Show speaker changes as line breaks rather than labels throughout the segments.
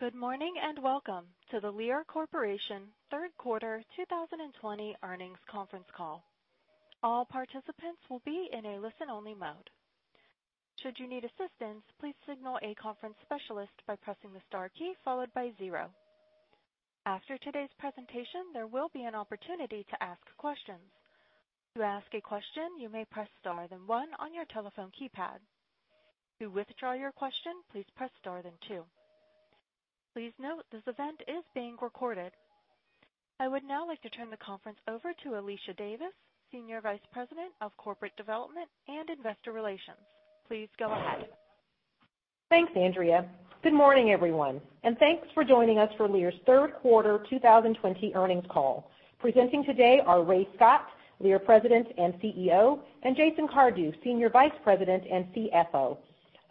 Good morning. Welcome to the Lear Corporation Third Quarter 2020 Earnings Conference Call. All participants will be in listen-only mode. Should you need assistance, please signal a conference specialist by pressing the star key followed by zero. After today's presentation, there will be an opportunity to ask question. To ask a question, you may press star then one on your telephone keypad. If you wish to withdraw your question, please press star then two. Please note, this event is being recorded. I would now like to turn the conference over to Alicia Davis, Senior Vice President of Corporate Development and Investor Relations. Please go ahead.
Thanks, Andrea. Good morning, everyone, and thanks for joining us for Lear's third quarter 2020 earnings call. Presenting today are Ray Scott, Lear President and CEO, and Jason Cardew, Senior Vice President and CFO.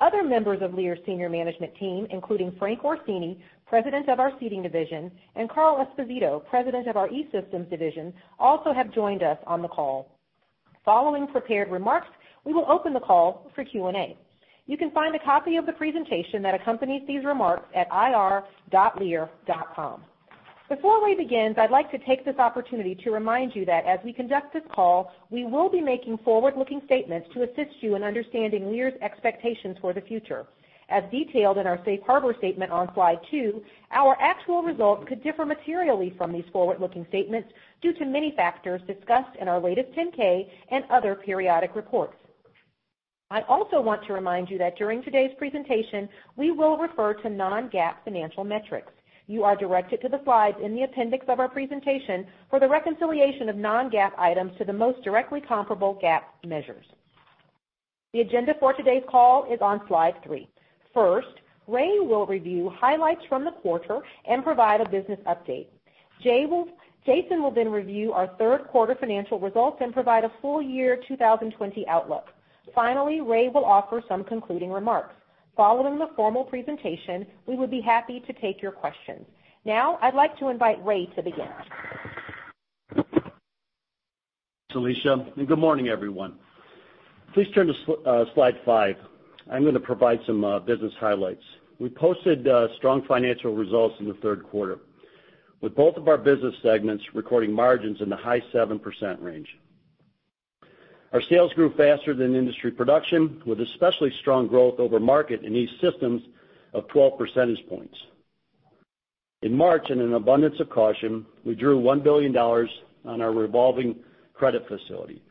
Other members of Lear's senior management team, including Frank Orsini, President of our Seating division, and Carl Esposito, President of our E-Systems division, also have joined us on the call. Following prepared remarks, we will open the call for Q&A. You can find a copy of the presentation that accompanies these remarks at ir.lear.com. Before Ray begins, I'd like to take this opportunity to remind you that as we conduct this call, we will be making forward-looking statements to assist you in understanding Lear's expectations for the future. As detailed in our safe harbor statement on slide two, our actual results could differ materially from these forward-looking statements due to many factors discussed in our latest 10-K and other periodic reports. I also want to remind you that during today's presentation, we will refer to non-GAAP financial metrics. You are directed to the slides in the appendix of our presentation for the reconciliation of non-GAAP items to the most directly comparable GAAP measures. The agenda for today's call is on slide three. First, Ray will review highlights from the quarter and provide a business update. Jason will then review our third quarter financial results and provide a full year 2020 outlook. Finally, Ray will offer some concluding remarks. Following the formal presentation, we would be happy to take your questions. Now, I'd like to invite Ray to begin.
Thanks, Alicia, and good morning, everyone. Please turn to slide five. I'm going to provide some business highlights. We posted strong financial results in the third quarter, with both of our business segments recording margins in the high 7% range. Our sales grew faster than industry production, with especially strong growth over market in E-Systems of 12 percentage points. In March, in an abundance of caution, we drew $1 billion on our revolving credit facility.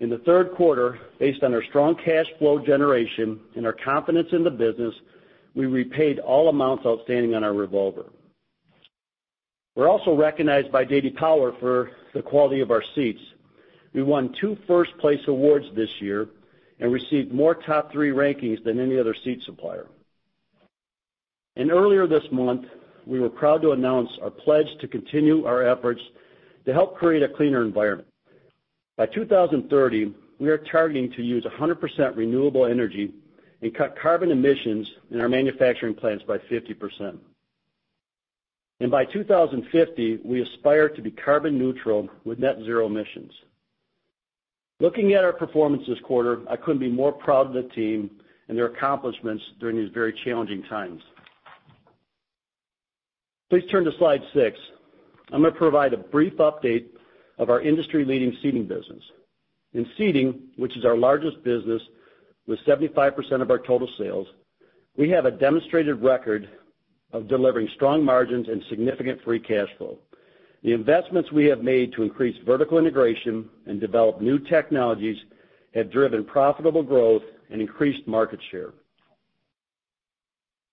In the third quarter, based on our strong cash flow generation and our confidence in the business, we repaid all amounts outstanding on our revolver. We're also recognized by JD Power for the quality of our seats. We won two first-place awards this year and received more top three rankings than any other seat supplier. Earlier this month, we were proud to announce our pledge to continue our efforts to help create a cleaner environment. By 2030, we are targeting to use 100% renewable energy and cut carbon emissions in our manufacturing plants by 50%. By 2050, we aspire to be carbon neutral with net zero emissions. Looking at our performance this quarter, I couldn't be more proud of the team and their accomplishments during these very challenging times. Please turn to slide six. I'm going to provide a brief update of our industry-leading Seating business. In Seating, which is our largest business with 75% of our total sales, we have a demonstrated record of delivering strong margins and significant free cash flow. The investments we have made to increase vertical integration and develop new technologies have driven profitable growth and increased market share.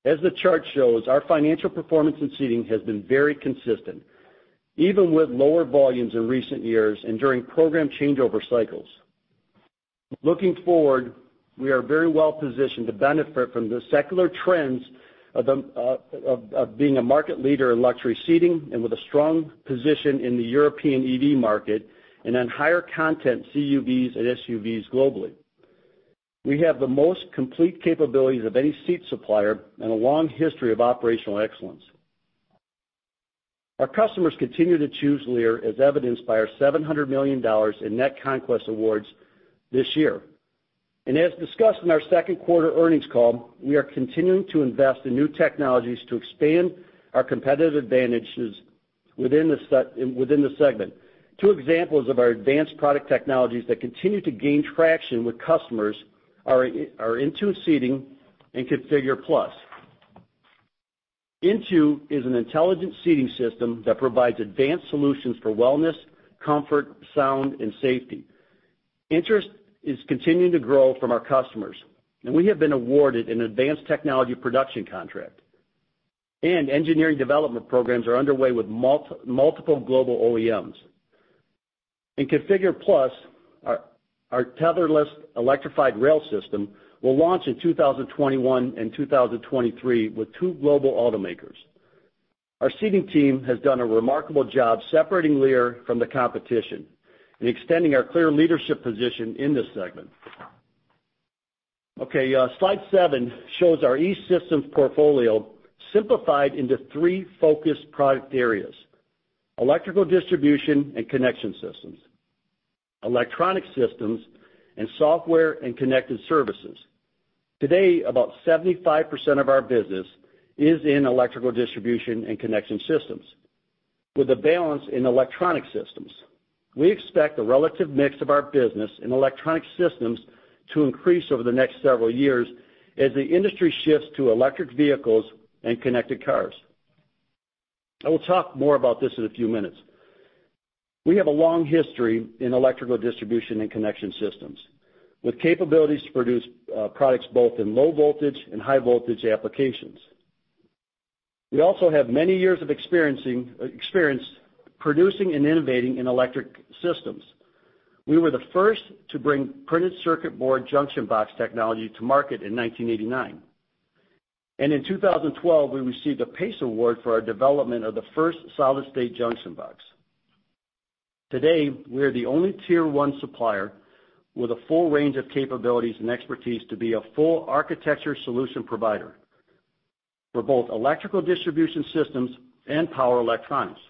As the chart shows, our financial performance in Seating has been very consistent, even with lower volumes in recent years and during program changeover cycles. Looking forward, we are very well positioned to benefit from the secular trends of being a market leader in luxury seating and with a strong position in the European EV market and in higher content CUVs and SUVs globally. We have the most complete capabilities of any seat supplier and a long history of operational excellence. Our customers continue to choose Lear, as evidenced by our $700 million in net conquest awards this year. As discussed in our second quarter earnings call, we are continuing to invest in new technologies to expand our competitive advantages within the segment. Two examples of our advanced product technologies that continue to gain traction with customers are INTU Seating and ConfigurE+. INTU is an intelligent seating system that provides advanced solutions for wellness, comfort, sound, and safety. Interest is continuing to grow from our customers. We have been awarded an advanced technology production contract. Engineering development programs are underway with multiple global OEMs. In ConfigurE+, our tetherless electrified rail system will launch in 2021 and 2023 with two global automakers. Our Seating team has done a remarkable job separating Lear from the competition and extending our clear leadership position in this segment. Okay, slide seven shows our E-Systems portfolio simplified into three focused product areas. Electrical distribution and connection systems, electronic systems, and software and connected services. Today, about 75% of our business is in electrical distribution and connection systems, with the balance in electronic systems. We expect the relative mix of our business in electronic systems to increase over the next several years as the industry shifts to electric vehicles and connected cars. I will talk more about this in a few minutes. We have a long history in electrical distribution and connection systems, with capabilities to produce products both in low voltage and high voltage applications. We also have many years of experience producing and innovating in electric systems. We were the first to bring printed circuit board junction box technology to market in 1989. In 2012, we received a PACE Award for our development of the first solid-state junction box. Today, we are the only Tier 1 supplier with a full range of capabilities and expertise to be a full architecture solution provider for both electrical distribution systems and power electronics.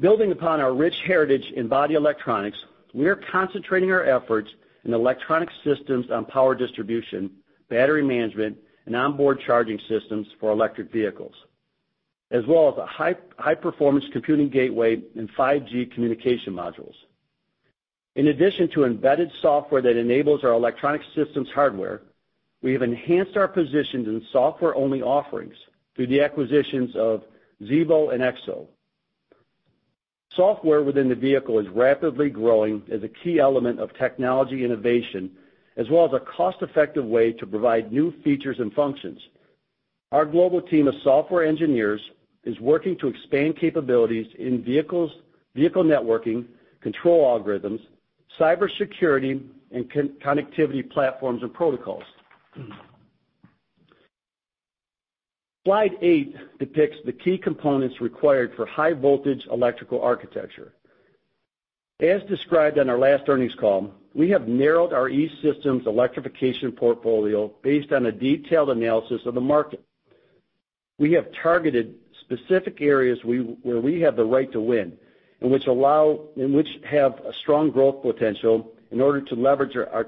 Building upon our rich heritage in body electronics, we are concentrating our efforts in electronic systems on power distribution, battery management, and onboard charging systems for electric vehicles, as well as a high-performance computing gateway and 5G communication modules. In addition to embedded software that enables our electronic systems hardware, we have enhanced our positions in software-only offerings through the acquisitions of Xevo and EXO. Software within the vehicle is rapidly growing as a key element of technology innovation, as well as a cost-effective way to provide new features and functions. Our global team of software engineers is working to expand capabilities in vehicle networking, control algorithms, cybersecurity, and connectivity platforms and protocols. Slide eight depicts the key components required for high voltage electrical architecture. As described on our last earnings call, we have narrowed our E-Systems electrification portfolio based on a detailed analysis of the market. We have targeted specific areas where we have the right to win and which have a strong growth potential in order to leverage our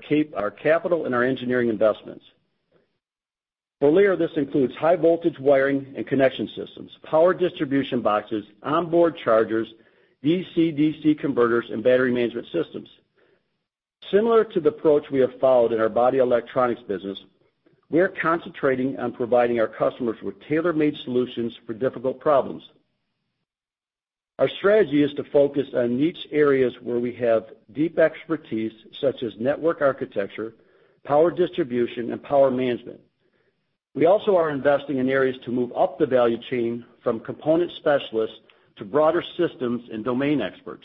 capital and our engineering investments. For Lear, this includes high voltage wiring and connection systems, power distribution boxes, onboard chargers, DC-DC converters, and battery management systems. Similar to the approach we have followed in our body electronics business, we are concentrating on providing our customers with tailor-made solutions for difficult problems. Our strategy is to focus on niche areas where we have deep expertise, such as network architecture, power distribution, and power management. We also are investing in areas to move up the value chain from component specialists to broader systems and domain experts.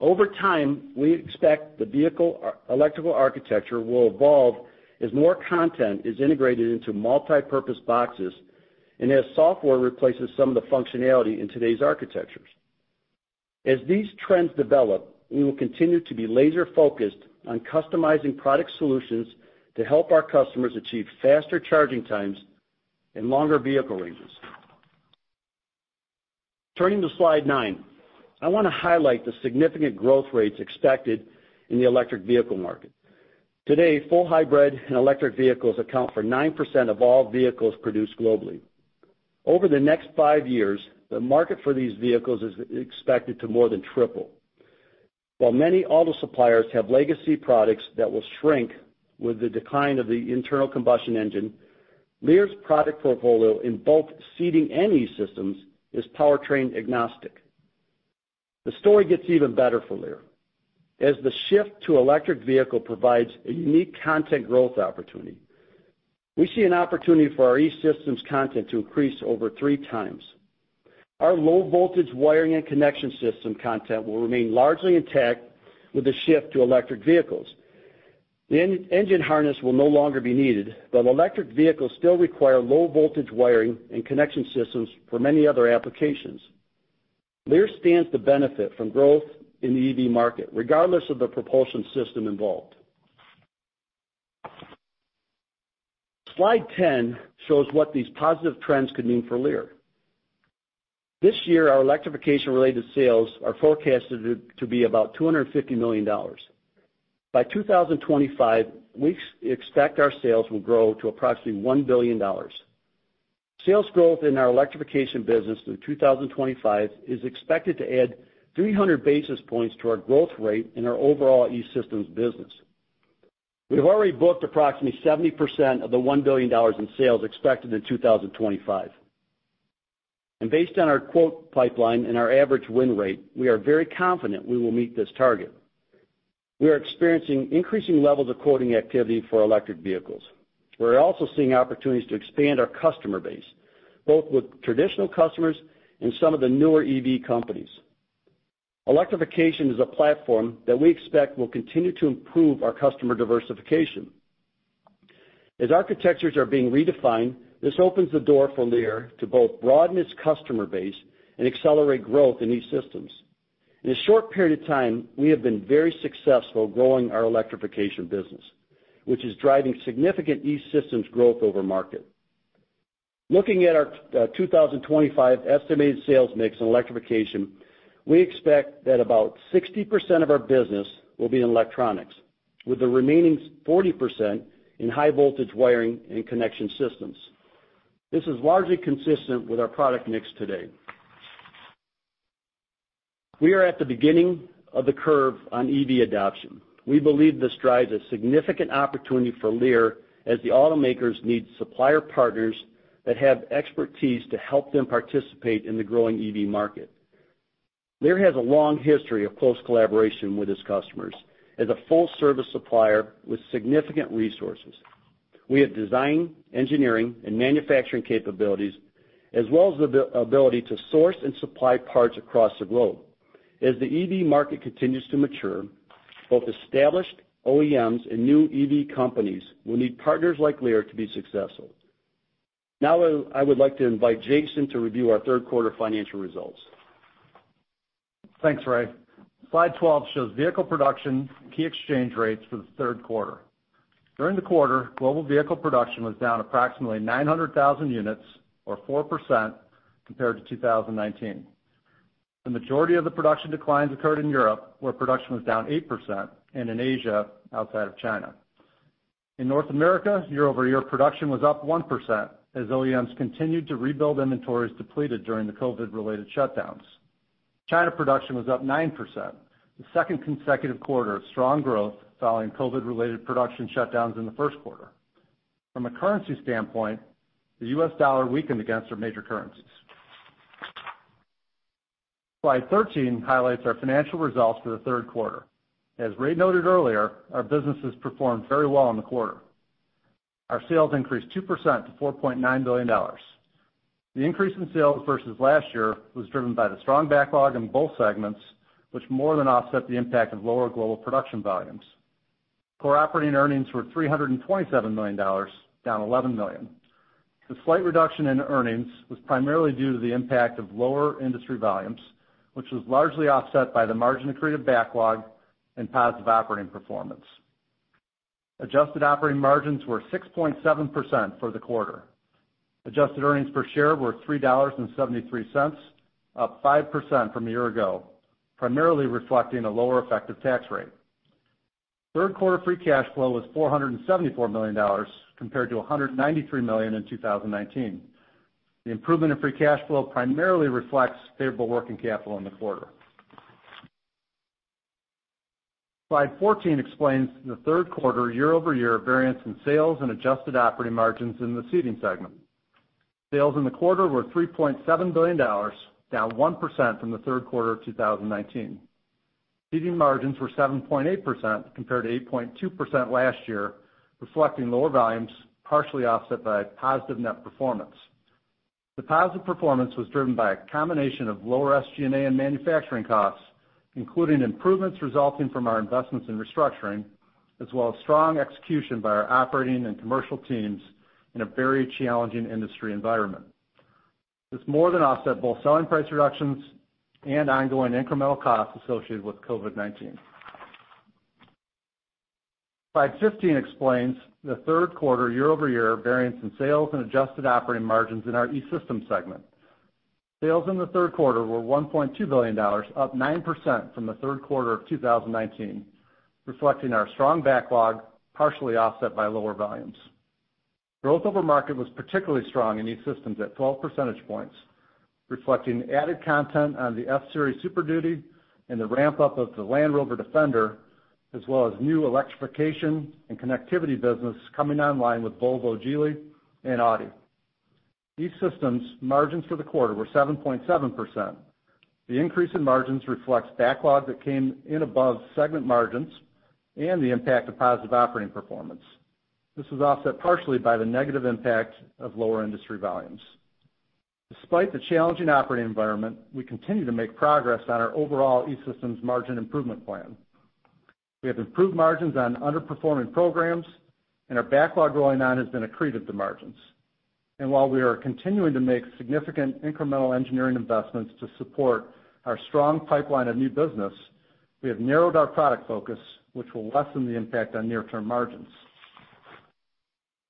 Over time, we expect the vehicle electrical architecture will evolve as more content is integrated into multipurpose boxes and as software replaces some of the functionality in today's architectures. As these trends develop, we will continue to be laser-focused on customizing product solutions to help our customers achieve faster charging times and longer vehicle ranges. Turning to slide nine, I want to highlight the significant growth rates expected in the electric vehicle market. Today, full hybrid and electric vehicles account for 9% of all vehicles produced globally. Over the next five years, the market for these vehicles is expected to more than triple. While many auto suppliers have legacy products that will shrink with the decline of the internal combustion engine, Lear's product portfolio in both Seating and E-Systems is powertrain agnostic. The story gets even better for Lear. As the shift to electric vehicle provides a unique content growth opportunity, we see an opportunity for our E-Systems content to increase over three times. Our low voltage wiring and connection system content will remain largely intact with the shift to electric vehicles. The engine harness will no longer be needed, but electric vehicles still require low voltage wiring and connection systems for many other applications. Lear stands to benefit from growth in the EV market, regardless of the propulsion system involved. Slide 10 shows what these positive trends could mean for Lear. This year, our electrification-related sales are forecasted to be about $250 million. By 2025, we expect our sales will grow to approximately $1 billion. Sales growth in our electrification business through 2025 is expected to add 300 basis points to our growth rate in our overall E-Systems business. We have already booked approximately 70% of the $1 billion in sales expected in 2025. Based on our quote pipeline and our average win rate, we are very confident we will meet this target. We are experiencing increasing levels of quoting activity for electric vehicles. We're also seeing opportunities to expand our customer base, both with traditional customers and some of the newer EV companies. Electrification is a platform that we expect will continue to improve our customer diversification. As architectures are being redefined, this opens the door for Lear to both broaden its customer base and accelerate growth in E-Systems. In a short period of time, we have been very successful growing our electrification business, which is driving significant E-Systems growth over market. Looking at our 2025 estimated sales mix in electrification, we expect that about 60% of our business will be in electronics, with the remaining 40% in high voltage wiring and connection systems. This is largely consistent with our product mix today. We are at the beginning of the curve on EV adoption. We believe this drives a significant opportunity for Lear as the automakers need supplier partners that have expertise to help them participate in the growing EV market. Lear has a long history of close collaboration with its customers as a full-service supplier with significant resources. We have design, engineering, and manufacturing capabilities, as well as the ability to source and supply parts across the globe. As the EV market continues to mature, both established OEMs and new EV companies will need partners like Lear to be successful. I would like to invite Jason to review our third quarter financial results.
Thanks, Ray. Slide 12 shows vehicle production key exchange rates for the third quarter. During the quarter, global vehicle production was down approximately 900,000 units or 4% compared to 2019. The majority of the production declines occurred in Europe, where production was down 8%, and in Asia, outside of China. In North America, year-over-year production was up 1% as OEMs continued to rebuild inventories depleted during the COVID-related shutdowns. China production was up 9%, the second consecutive quarter of strong growth following COVID-related production shutdowns in the first quarter. From a currency standpoint, the U.S. dollar weakened against our major currencies. Slide 13 highlights our financial results for the third quarter. As Ray noted earlier, our business has performed very well in the quarter. Our sales increased 2% to $4.9 billion. The increase in sales versus last year was driven by the strong backlog in both segments, which more than offset the impact of lower global production volumes. Core operating earnings were $327 million, down $11 million. The slight reduction in earnings was primarily due to the impact of lower industry volumes, which was largely offset by the margin-accretive backlog and positive operating performance. Adjusted operating margins were 6.7% for the quarter. Adjusted earnings per share were $3.73, up 5% from a year ago, primarily reflecting a lower effective tax rate. Third quarter free cash flow was $474 million, compared to $193 million in 2019. The improvement in free cash flow primarily reflects favorable working capital in the quarter. Slide 14 explains the third quarter year-over-year variance in sales and adjusted operating margins in the Seating segment. Sales in the quarter were $3.7 billion, down 1% from the third quarter of 2019. Seating margins were 7.8% compared to 8.2% last year, reflecting lower volumes, partially offset by positive net performance. The positive performance was driven by a combination of lower SG&A and manufacturing costs, including improvements resulting from our investments in restructuring, as well as strong execution by our operating and commercial teams in a very challenging industry environment. This more than offset both selling price reductions and ongoing incremental costs associated with COVID-19. Slide 15 explains the third quarter year-over-year variance in sales and adjusted operating margins in our E-Systems segment. Sales in the third quarter were $1.2 billion, up 9% from the third quarter of 2019, reflecting our strong backlog, partially offset by lower volumes. Growth over market was particularly strong in E-Systems at 12 percentage points, reflecting added content on the F-Series Super Duty and the ramp-up of the Land Rover Defender, as well as new electrification and connectivity business coming online with Volvo, Geely, and Audi. E-Systems margins for the quarter were 7.7%. The increase in margins reflects backlog that came in above segment margins and the impact of positive operating performance. This was offset partially by the negative impact of lower industry volumes. Despite the challenging operating environment, we continue to make progress on our overall E-Systems margin improvement plan. We have improved margins on underperforming programs, our backlog rolling on has been accretive to margins. While we are continuing to make significant incremental engineering investments to support our strong pipeline of new business, we have narrowed our product focus, which will lessen the impact on near-term margins.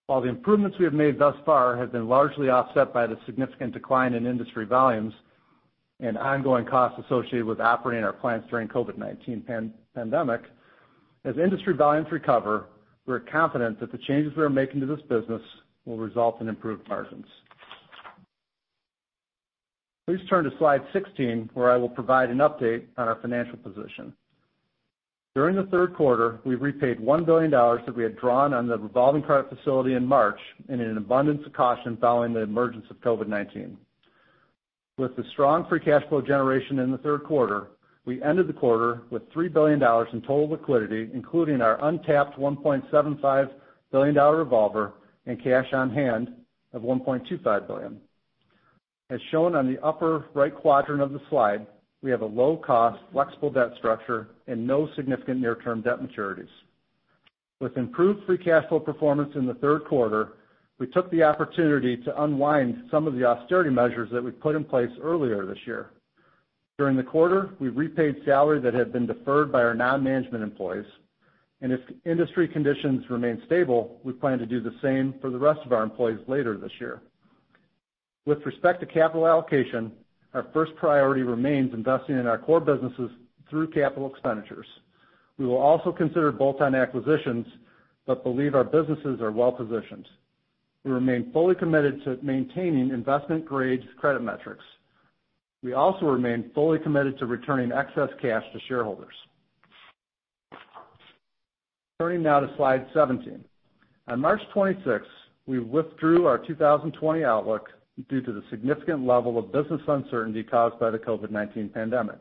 While the improvements we have made thus far have been largely offset by the significant decline in industry volumes and ongoing costs associated with operating our plants during COVID-19 pandemic, as industry volumes recover, we're confident that the changes we are making to this business will result in improved margins. Please turn to slide 16, where I will provide an update on our financial position. During the third quarter, we repaid $1 billion that we had drawn on the revolving credit facility in March in an abundance of caution following the emergence of COVID-19. With the strong free cash flow generation in the third quarter, we ended the quarter with $3 billion in total liquidity, including our untapped $1.75 billion revolver and cash on hand of $1.25 billion. As shown on the upper right quadrant of the slide, we have a low-cost, flexible debt structure and no significant near-term debt maturities. With improved free cash flow performance in the third quarter, we took the opportunity to unwind some of the austerity measures that we put in place earlier this year. During the quarter, we repaid salary that had been deferred by our non-management employees. If industry conditions remain stable, we plan to do the same for the rest of our employees later this year. With respect to capital allocation, our first priority remains investing in our core businesses through capital expenditures. We will also consider bolt-on acquisitions, but believe our businesses are well-positioned. We remain fully committed to maintaining investment-grade credit metrics. We also remain fully committed to returning excess cash to shareholders. Turning now to slide 17. On March 26th, we withdrew our 2020 outlook due to the significant level of business uncertainty caused by the COVID-19 pandemic.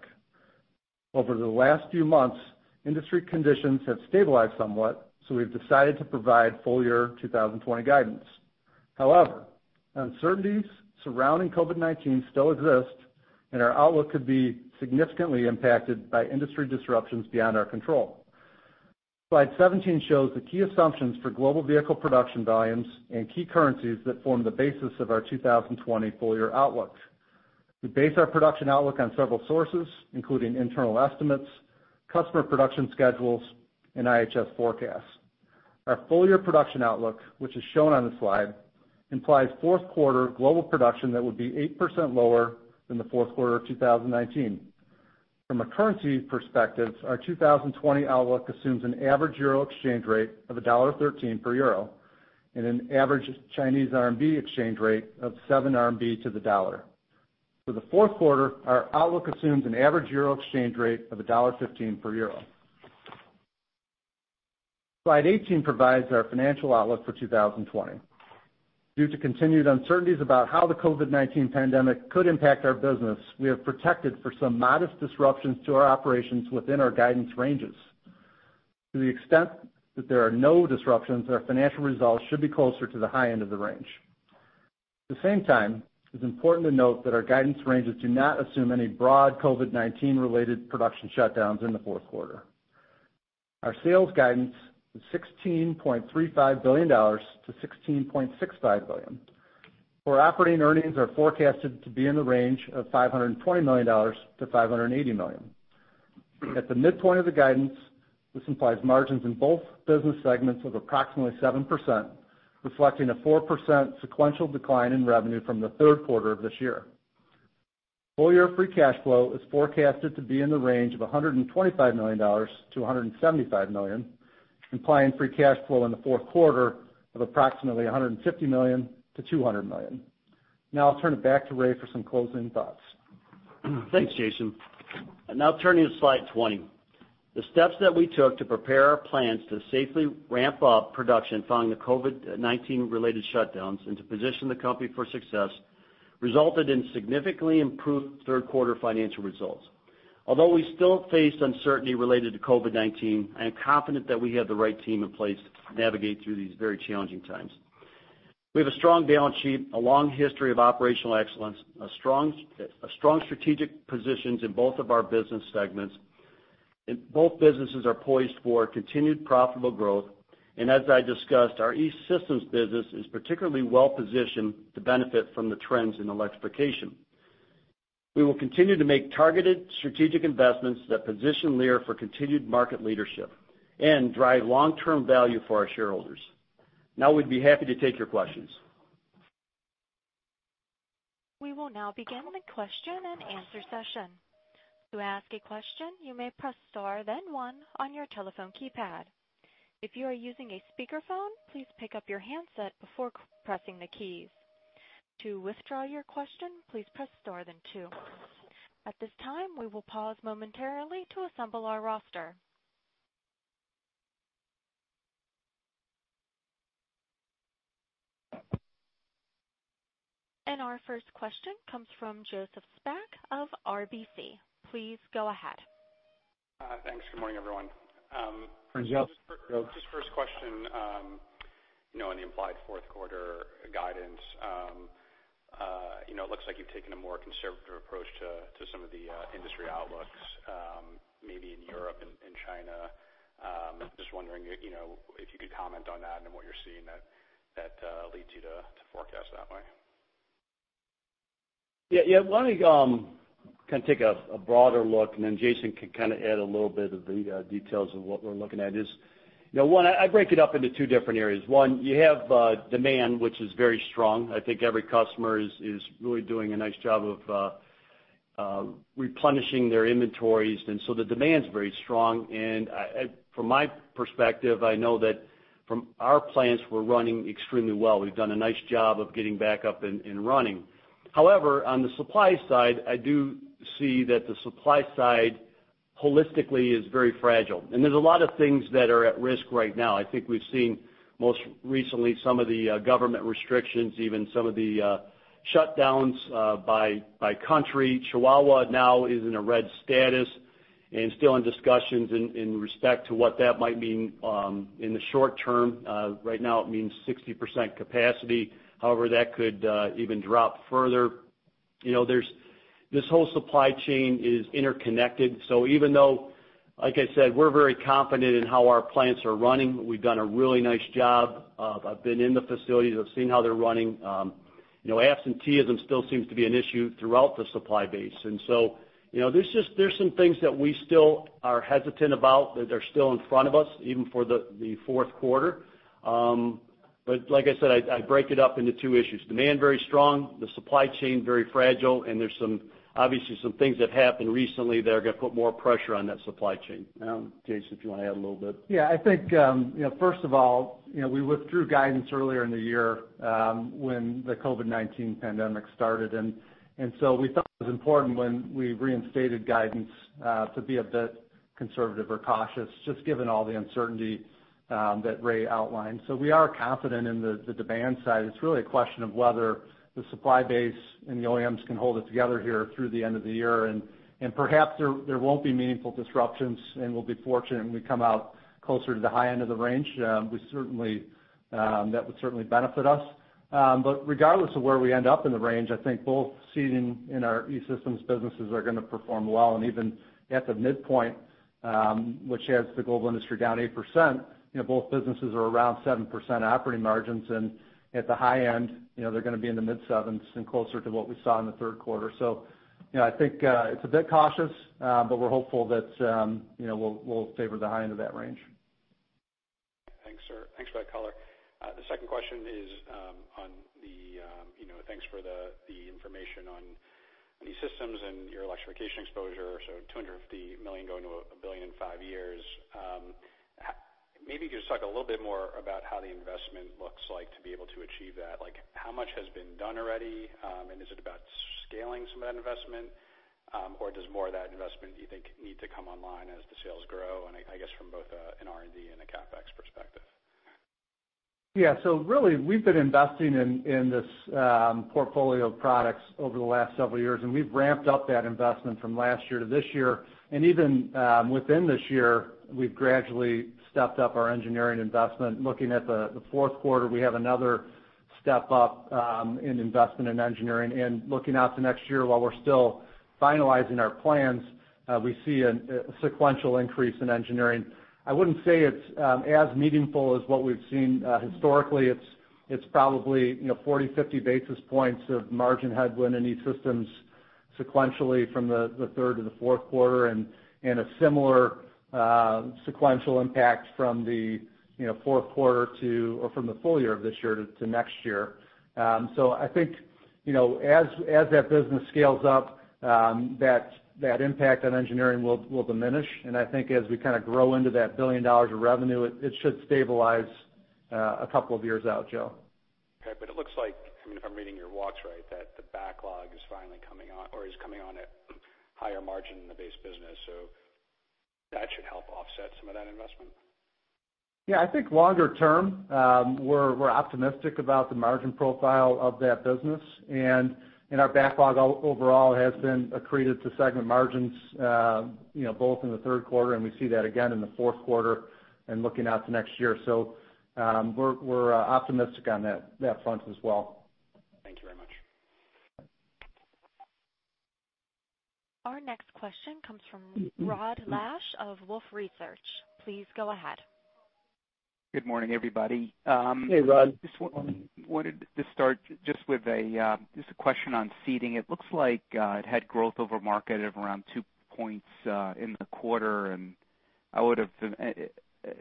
Over the last few months, industry conditions have stabilized somewhat, we've decided to provide full-year 2020 guidance. However, uncertainties surrounding COVID-19 still exist, and our outlook could be significantly impacted by industry disruptions beyond our control. Slide 17 shows the key assumptions for global vehicle production volumes and key currencies that form the basis of our 2020 full-year outlook. We base our production outlook on several sources, including internal estimates, customer production schedules, and IHS forecasts. Our full-year production outlook, which is shown on the slide, implies fourth quarter global production that would be 8% lower than the fourth quarter of 2019. From a currency perspective, our 2020 outlook assumes an average euro exchange rate of $1.13 per euro and an average Chinese RMB exchange rate of 7 RMB to the dollar. For the fourth quarter, our outlook assumes an average euro exchange rate of $1.15 per euro. Slide 18 provides our financial outlook for 2020. Due to continued uncertainties about how the COVID-19 pandemic could impact our business, we have protected for some modest disruptions to our operations within our guidance ranges. To the extent that there are no disruptions, our financial results should be closer to the high end of the range. At the same time, it's important to note that our guidance ranges do not assume any broad COVID-19 related production shutdowns in the fourth quarter. Our sales guidance is $16.35 billion-$16.65 billion, where operating earnings are forecasted to be in the range of $520 million-$580 million. At the midpoint of the guidance, this implies margins in both business segments of approximately 7%, reflecting a 4% sequential decline in revenue from the third quarter of this year. Full-year free cash flow is forecasted to be in the range of $125 million-$175 million, implying free cash flow in the fourth quarter of approximately $150 million-$200 million. Now I'll turn it back to Ray for some closing thoughts.
Thanks, Jason. Now turning to slide 20. The steps that we took to prepare our plants to safely ramp up production following the COVID-19 related shutdowns and to position the company for success resulted in significantly improved third quarter financial results. Although we still face uncertainty related to COVID-19, I am confident that we have the right team in place to navigate through these very challenging times. We have a strong balance sheet, a long history of operational excellence, a strong strategic positions in both of our business segments, and both businesses are poised for continued profitable growth. As I discussed, our E-Systems business is particularly well-positioned to benefit from the trends in electrification. We will continue to make targeted strategic investments that position Lear for continued market leadership and drive long-term value for our shareholders. We'd be happy to take your questions.
We will now begin the question-and-answer session. To ask a question, you may press star then one on your telephone keypad. If you are using a speakerphone, please pick up your handset before pressing the keys. To withdraw your question, please press star then two. At this time, we will pause momentarily to assemble our roster. Our first question comes from Joseph Spak of RBC. Please go ahead.
Thanks. Good morning, everyone.
Hi, Joseph.
First question. On the implied fourth quarter guidance, it looks like you've taken a more conservative approach to some of the industry outlooks maybe in Europe and China. Wondering if you could comment on that and what you're seeing that leads you to forecast that way?
Yeah. Why don't you take a broader look, and then Jason can add a little bit of the details of what we're looking at is. One, I break it up into two different areas. One, you have demand, which is very strong. I think every customer is really doing a nice job of replenishing their inventories. The demand is very strong. From my perspective, I know that from our plants, we're running extremely well. We've done a nice job of getting back up and running. However, on the supply side, I do see that the supply side holistically is very fragile. There's a lot of things that are at risk right now. I think we've seen most recently some of the government restrictions, even some of the shutdowns by country. Chihuahua now is in a red status and still in discussions in respect to what that might mean in the short term. Right now it means 60% capacity. That could even drop further. This whole supply chain is interconnected. Like I said, we're very confident in how our plants are running. We've done a really nice job. I've been in the facilities. I've seen how they're running. Absenteeism still seems to be an issue throughout the supply base. There's some things that we still are hesitant about that are still in front of us, even for the fourth quarter. Like I said, I break it up into two issues. Demand is very strong. The supply chain is very fragile. There's obviously some things that happened recently that are going to put more pressure on that supply chain. Jason, if you want to add a little bit.
Yeah. I think, first of all, we withdrew guidance earlier in the year when the COVID-19 pandemic started. We thought it was important when we reinstated guidance to be a bit conservative or cautious, just given all the uncertainty that Ray outlined. We are confident in the demand side. It's really a question of whether the supply base and the OEMs can hold it together here through the end of the year. Perhaps there won't be meaningful disruptions, and we'll be fortunate, and we come out closer to the high end of the range. That would certainly benefit us. Regardless of where we end up in the range, I think both Seating and our E-Systems businesses are going to perform well. Even at the midpoint, which has the global industry down 8%, both businesses are around 7% operating margins. At the high end, they're going to be in the mid-sevens and closer to what we saw in the third quarter. I think it's a bit cautious, but we're hopeful that we'll favor the high end of that range.
Thanks for that color. The second question is, thanks for the information on E-Systems and your electrification exposure, so $250 million going to $1 billion in five years. Maybe just talk a little bit more about how the investment looks like to be able to achieve that. How much has been done already? Is it about scaling some of that investment? Or does more of that investment, you think, need to come online as the sales grow? I guess from both an R&D and a CapEx perspective.
Really, we've been investing in this portfolio of products over the last several years, and we've ramped up that investment from last year to this year. Even within this year, we've gradually stepped up our engineering investment. Looking at the fourth quarter, we have another step up in investment in engineering. Looking out to next year, while we're still finalizing our plans, we see a sequential increase in engineering. I wouldn't say it's as meaningful as what we've seen historically. It's probably 40, 50 basis points of margin headwind in E-Systems sequentially from the third to the fourth quarter, and a similar sequential impact from the fourth quarter or from the full year of this year to next year. I think as that business scales up, that impact on engineering will diminish. I think as we kind of grow into that billion dollars of revenue, it should stabilize a couple of years out, Joe.
Okay. It looks like, if I'm reading your walks right, that the backlog is coming on at higher margin in the base business. That should help offset some of that investment?
Yeah, I think longer term, we're optimistic about the margin profile of that business. Our backlog overall has been accretive to segment margins both in the third quarter, and we see that again in the fourth quarter and looking out to next year. We're optimistic on that front as well.
Thank you very much.
Our next question comes from Rod Lache of Wolfe Research. Please go ahead.
Good morning, everybody.
Hey, Rod.
Just wanted to start just with a question on Seating. It looks like it had growth over market of around two points in the quarter, and I would've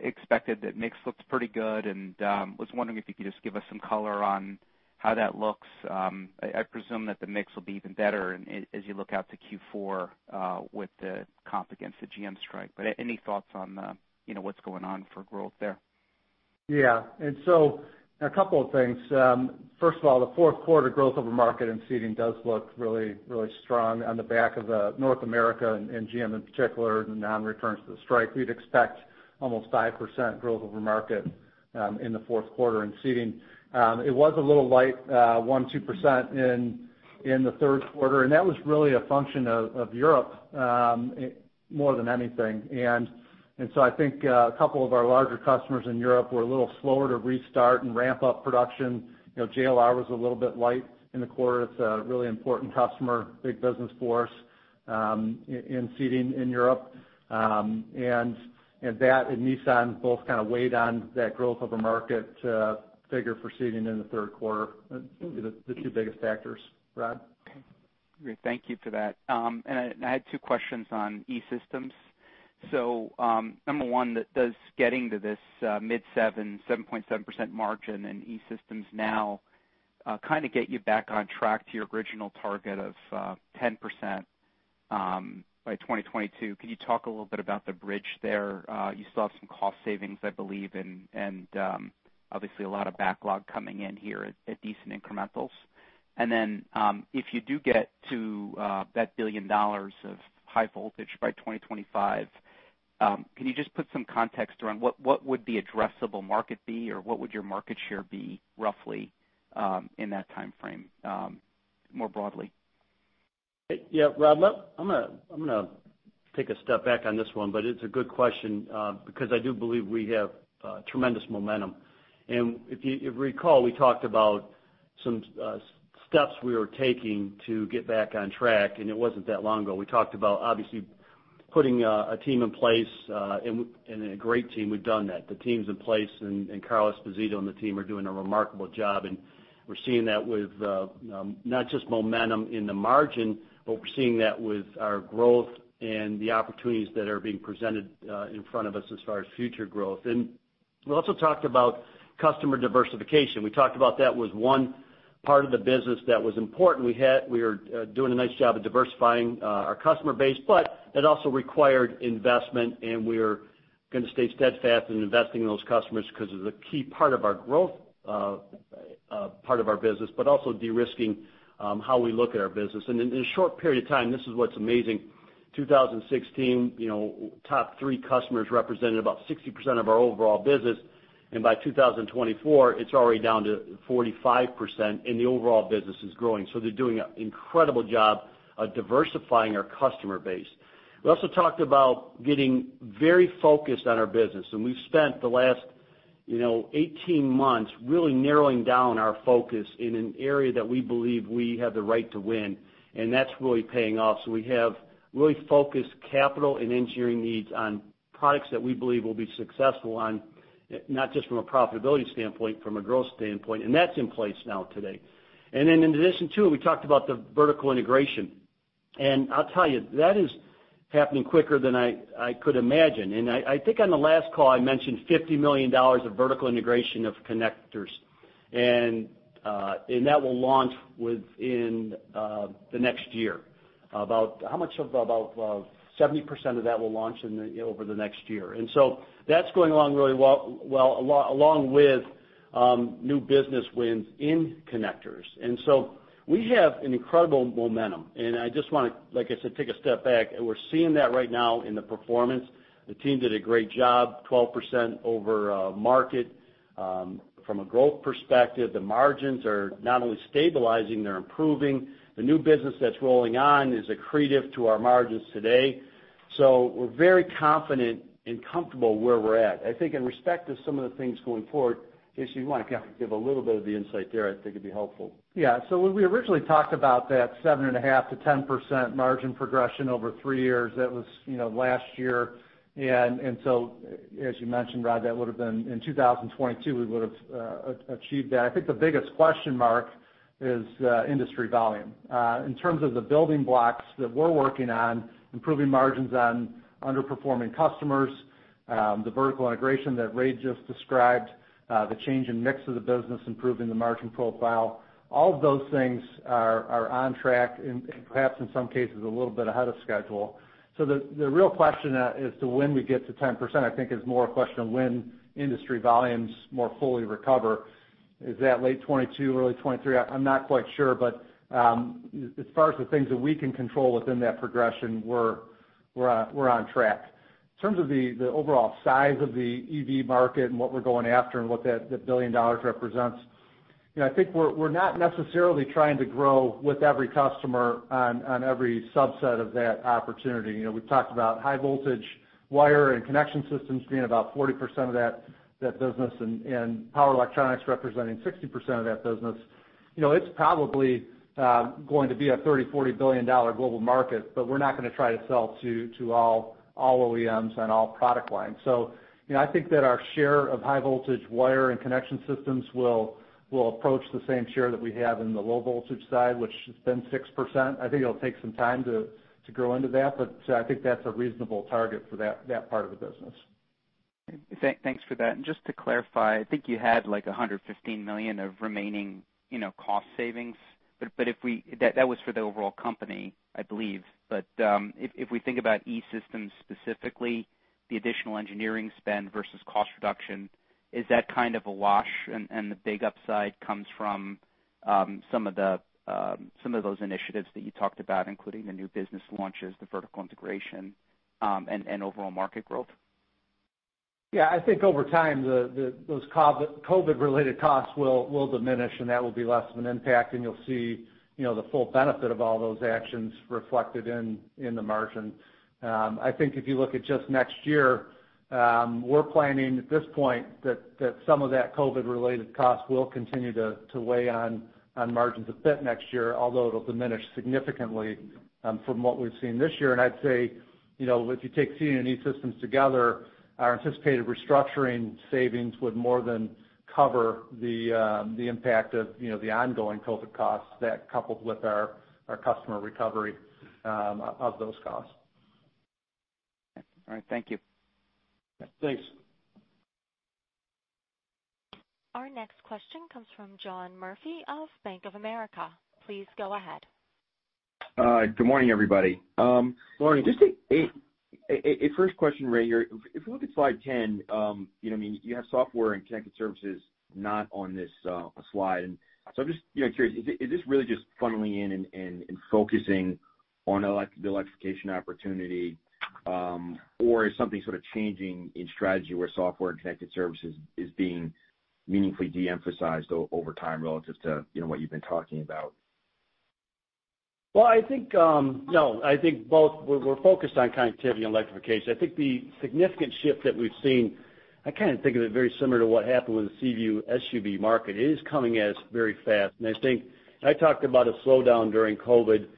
expected that mix looks pretty good, and was wondering if you could just give us some color on how that looks. I presume that the mix will be even better as you look out to Q4 with the comp against the GM strike. Any thoughts on what's going on for growth there?
Yeah. A couple of things. First of all, the fourth quarter growth over market and Seating does look really strong on the back of the North America and GM in particular, now returning to the strike. We'd expect almost 5% growth over market in the fourth quarter in Seating. It was a little light, 1%-2% in the third quarter, and that was really a function of Europe more than anything. I think a couple of our larger customers in Europe were a little slower to restart and ramp up production. JLR was a little bit light in the quarter. It's a really important customer, big business for us in Seating in Europe. That and Nissan both kind of weighed on that growth of a market figure for Seating in the third quarter. The two biggest factors, Rod.
Okay. Great. Thank you for that. I had two questions on E-Systems. Number one, does getting to this mid seven, 7.7% margin in E-Systems now kind of get you back on track to your original target of 10% by 2022? Can you talk a little bit about the bridge there? You still have some cost savings, I believe, and obviously a lot of backlog coming in here at decent incrementals. If you do get to that $1 billion of high voltage by 2025, can you just put some context around what would the addressable market be, or what would your market share be roughly, in that timeframe, more broadly?
Rod, I'm going to take a step back on this one. It's a good question because I do believe we have tremendous momentum. If you recall, we talked about some steps we were taking to get back on track. It wasn't that long ago. We talked about, obviously, putting a team in place, and a great team. We've done that. The team's in place. Carl Esposito and the team are doing a remarkable job. We're seeing that with not just momentum in the margin, but we're seeing that with our growth and the opportunities that are being presented in front of us as far as future growth. We also talked about customer diversification. We talked about that was one part of the business that was important. We are doing a nice job of diversifying our customer base, but it also required investment, and we're going to stay steadfast in investing in those customers because it's a key part of our growth part of our business, but also de-risking how we look at our business. In a short period of time, this is what's amazing, 2016, top three customers represented about 60% of our overall business. By 2024, it's already down to 45%, and the overall business is growing. They're doing an incredible job of diversifying our customer base. We also talked about getting very focused on our business, and we've spent the last 18 months really narrowing down our focus in an area that we believe we have the right to win, and that's really paying off. We have really focused capital and engineering needs on products that we believe will be successful on, not just from a profitability standpoint, from a growth standpoint, and that's in place now today. In addition to it, we talked about the vertical integration. I'll tell you, that is happening quicker than I could imagine. I think on the last call, I mentioned $50 million of vertical integration of connectors, and that will launch within the next year. About how much? About 70% of that will launch over the next year. That's going along really well, along with new business wins in connectors. We have an incredible momentum, and I just want to, like I said, take a step back. We're seeing that right now in the performance. The team did a great job, 12% over market. From a growth perspective, the margins are not only stabilizing, they're improving. The new business that's rolling on is accretive to our margins today. We're very confident and comfortable where we're at. I think in respect to some of the things going forward, Jason, you want to give a little bit of the insight there, I think it'd be helpful.
Yeah. When we originally talked about that 7.5%-10% margin progression over three years, that was last year. As you mentioned, Rod, that would've been in 2022, we would've achieved that. I think the biggest question mark is industry volume. In terms of the building blocks that we're working on, improving margins on underperforming customers, the vertical integration that Ray just described, the change in mix of the business, improving the margin profile, all of those things are on track and perhaps in some cases, a little bit ahead of schedule. The real question as to when we get to 10%, I think, is more a question of when industry volumes more fully recover. Is that late 2022, early 2023? I'm not quite sure, but as far as the things that we can control within that progression, we're on track. In terms of the overall size of the EV market and what we're going after and what that $1 billion represents, I think we're not necessarily trying to grow with every customer on every subset of that opportunity. We've talked about high voltage wire and connection systems being about 40% of that business, and power electronics representing 60% of that business. It's probably going to be a $30 billion-$40 billion global market, we're not going to try to sell to all OEMs and all product lines. I think that our share of high voltage wire and connection systems will approach the same share that we have in the low voltage side, which has been 6%. I think it'll take some time to grow into that, I think that's a reasonable target for that part of the business.
Thanks for that. Just to clarify, I think you had like $115 million of remaining cost savings. That was for the overall company, I believe. If we think about E-Systems specifically, the additional engineering spend versus cost reduction, is that kind of a wash and the big upside comes from some of those initiatives that you talked about, including the new business launches, the vertical integration, and overall market growth?
Yeah, I think over time, those COVID-related costs will diminish, and that will be less of an impact, and you'll see the full benefit of all those actions reflected in the margin. I think if you look at just next year, we're planning at this point that some of that COVID-related cost will continue to weigh on margins a bit next year, although it'll diminish significantly from what we've seen this year. I'd say, if you take Seating and E-Systems together, our anticipated restructuring savings would more than cover the impact of the ongoing COVID costs that coupled with our customer recovery of those costs.
All right. Thank you.
Thanks.
Our next question comes from John Murphy of Bank of America. Please go ahead.
Good morning, everybody.
Morning.
Just a first question, Ray. If you look at slide 10, you have software and connected services not on this slide. I'm just curious, is this really just funneling in and focusing on the electrification opportunity? Is something sort of changing in strategy where software and connected services is being meaningfully de-emphasized over time relative to what you've been talking about?
Well, I think both. We're focused on connectivity and electrification. I think the significant shift that we've seen, I kind of think of it very similar to what happened with the CUV SUV market. It is coming at us very fast. I think I talked about a slowdown during COVID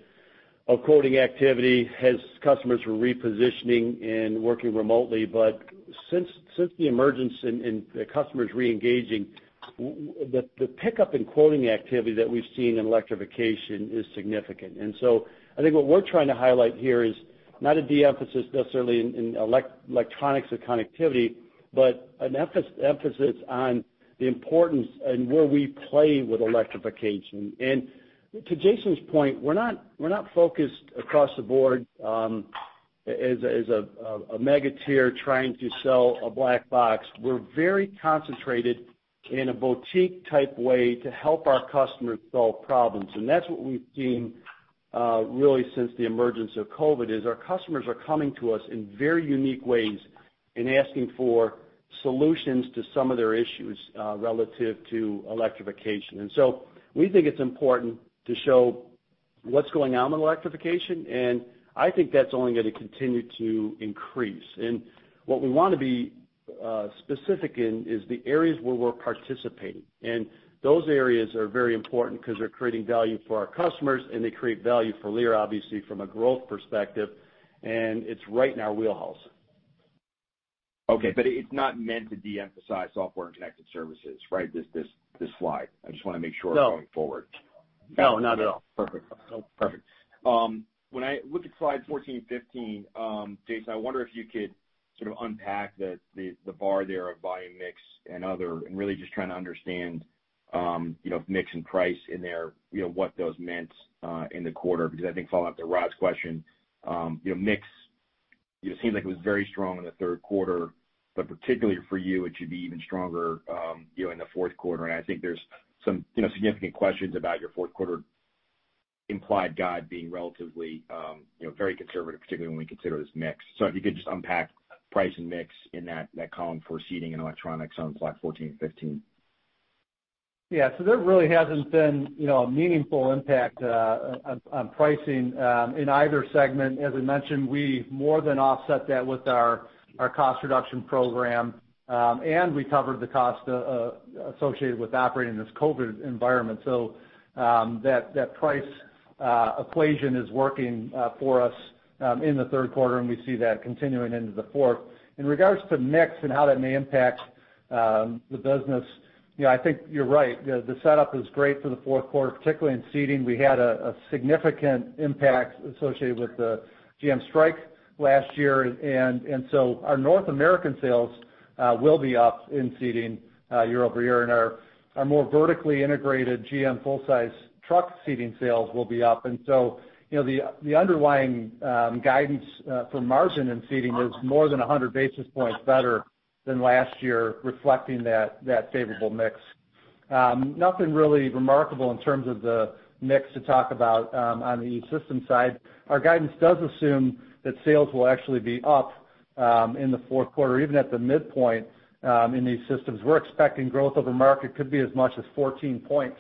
of quoting activity as customers were repositioning and working remotely. Since the emergence and the customers re-engaging, the pickup in quoting activity that we've seen in electrification is significant. I think what we're trying to highlight here is not a de-emphasis necessarily in electronics or connectivity, but an emphasis on the importance and where we play with electrification. To Jason's point, we're not focused across the board as a mega tier trying to sell a black box. We're very concentrated in a boutique type way to help our customers solve problems. That's what we've seen really since the emergence of COVID, is our customers are coming to us in very unique ways and asking for solutions to some of their issues relative to electrification. We think it's important to show what's going on with electrification, and I think that's only going to continue to increase. What we want to be specific in is the areas where we're participating. Those areas are very important because they're creating value for our customers, and they create value for Lear, obviously from a growth perspective, and it's right in our wheelhouse.
Okay, it's not meant to de-emphasize software and connected services, right? This slide. I just want to make sure going forward.
No, not at all.
Perfect. When I look at slide 14 and 15, Jason, I wonder if you could sort of unpack the bar there of volume mix and other, and really just trying to understand mix and price in there, what those meant in the quarter. I think follow up to Rod's question, mix, it seemed like it was very strong in the third quarter, but particularly for you, it should be even stronger in the fourth quarter. I think there's some significant questions about your fourth quarter implied guide being relatively very conservative, particularly when we consider this mix. If you could just unpack price and mix in that column for Seating and electronics on slide 14 and 15.
There really hasn't been a meaningful impact on pricing in either segment. As I mentioned, we more than offset that with our cost reduction program, and we covered the cost associated with operating this COVID environment. That price equation is working for us in the third quarter, and we see that continuing into the fourth. In regards to mix and how that may impact the business, I think you're right. The setup is great for the fourth quarter, particularly in Seating. We had a significant impact associated with the GM strike last year, our North American sales will be up in Seating year-over-year, and our more vertically integrated GM full-size truck Seating sales will be up. The underlying guidance for margin in Seating is more than 100 basis points better than last year, reflecting that favorable mix. Nothing really remarkable in terms of the mix to talk about on the E-Systems side. Our guidance does assume that sales will actually be up in the fourth quarter, even at the midpoint in E-Systems. We're expecting growth over market could be as much as 14 points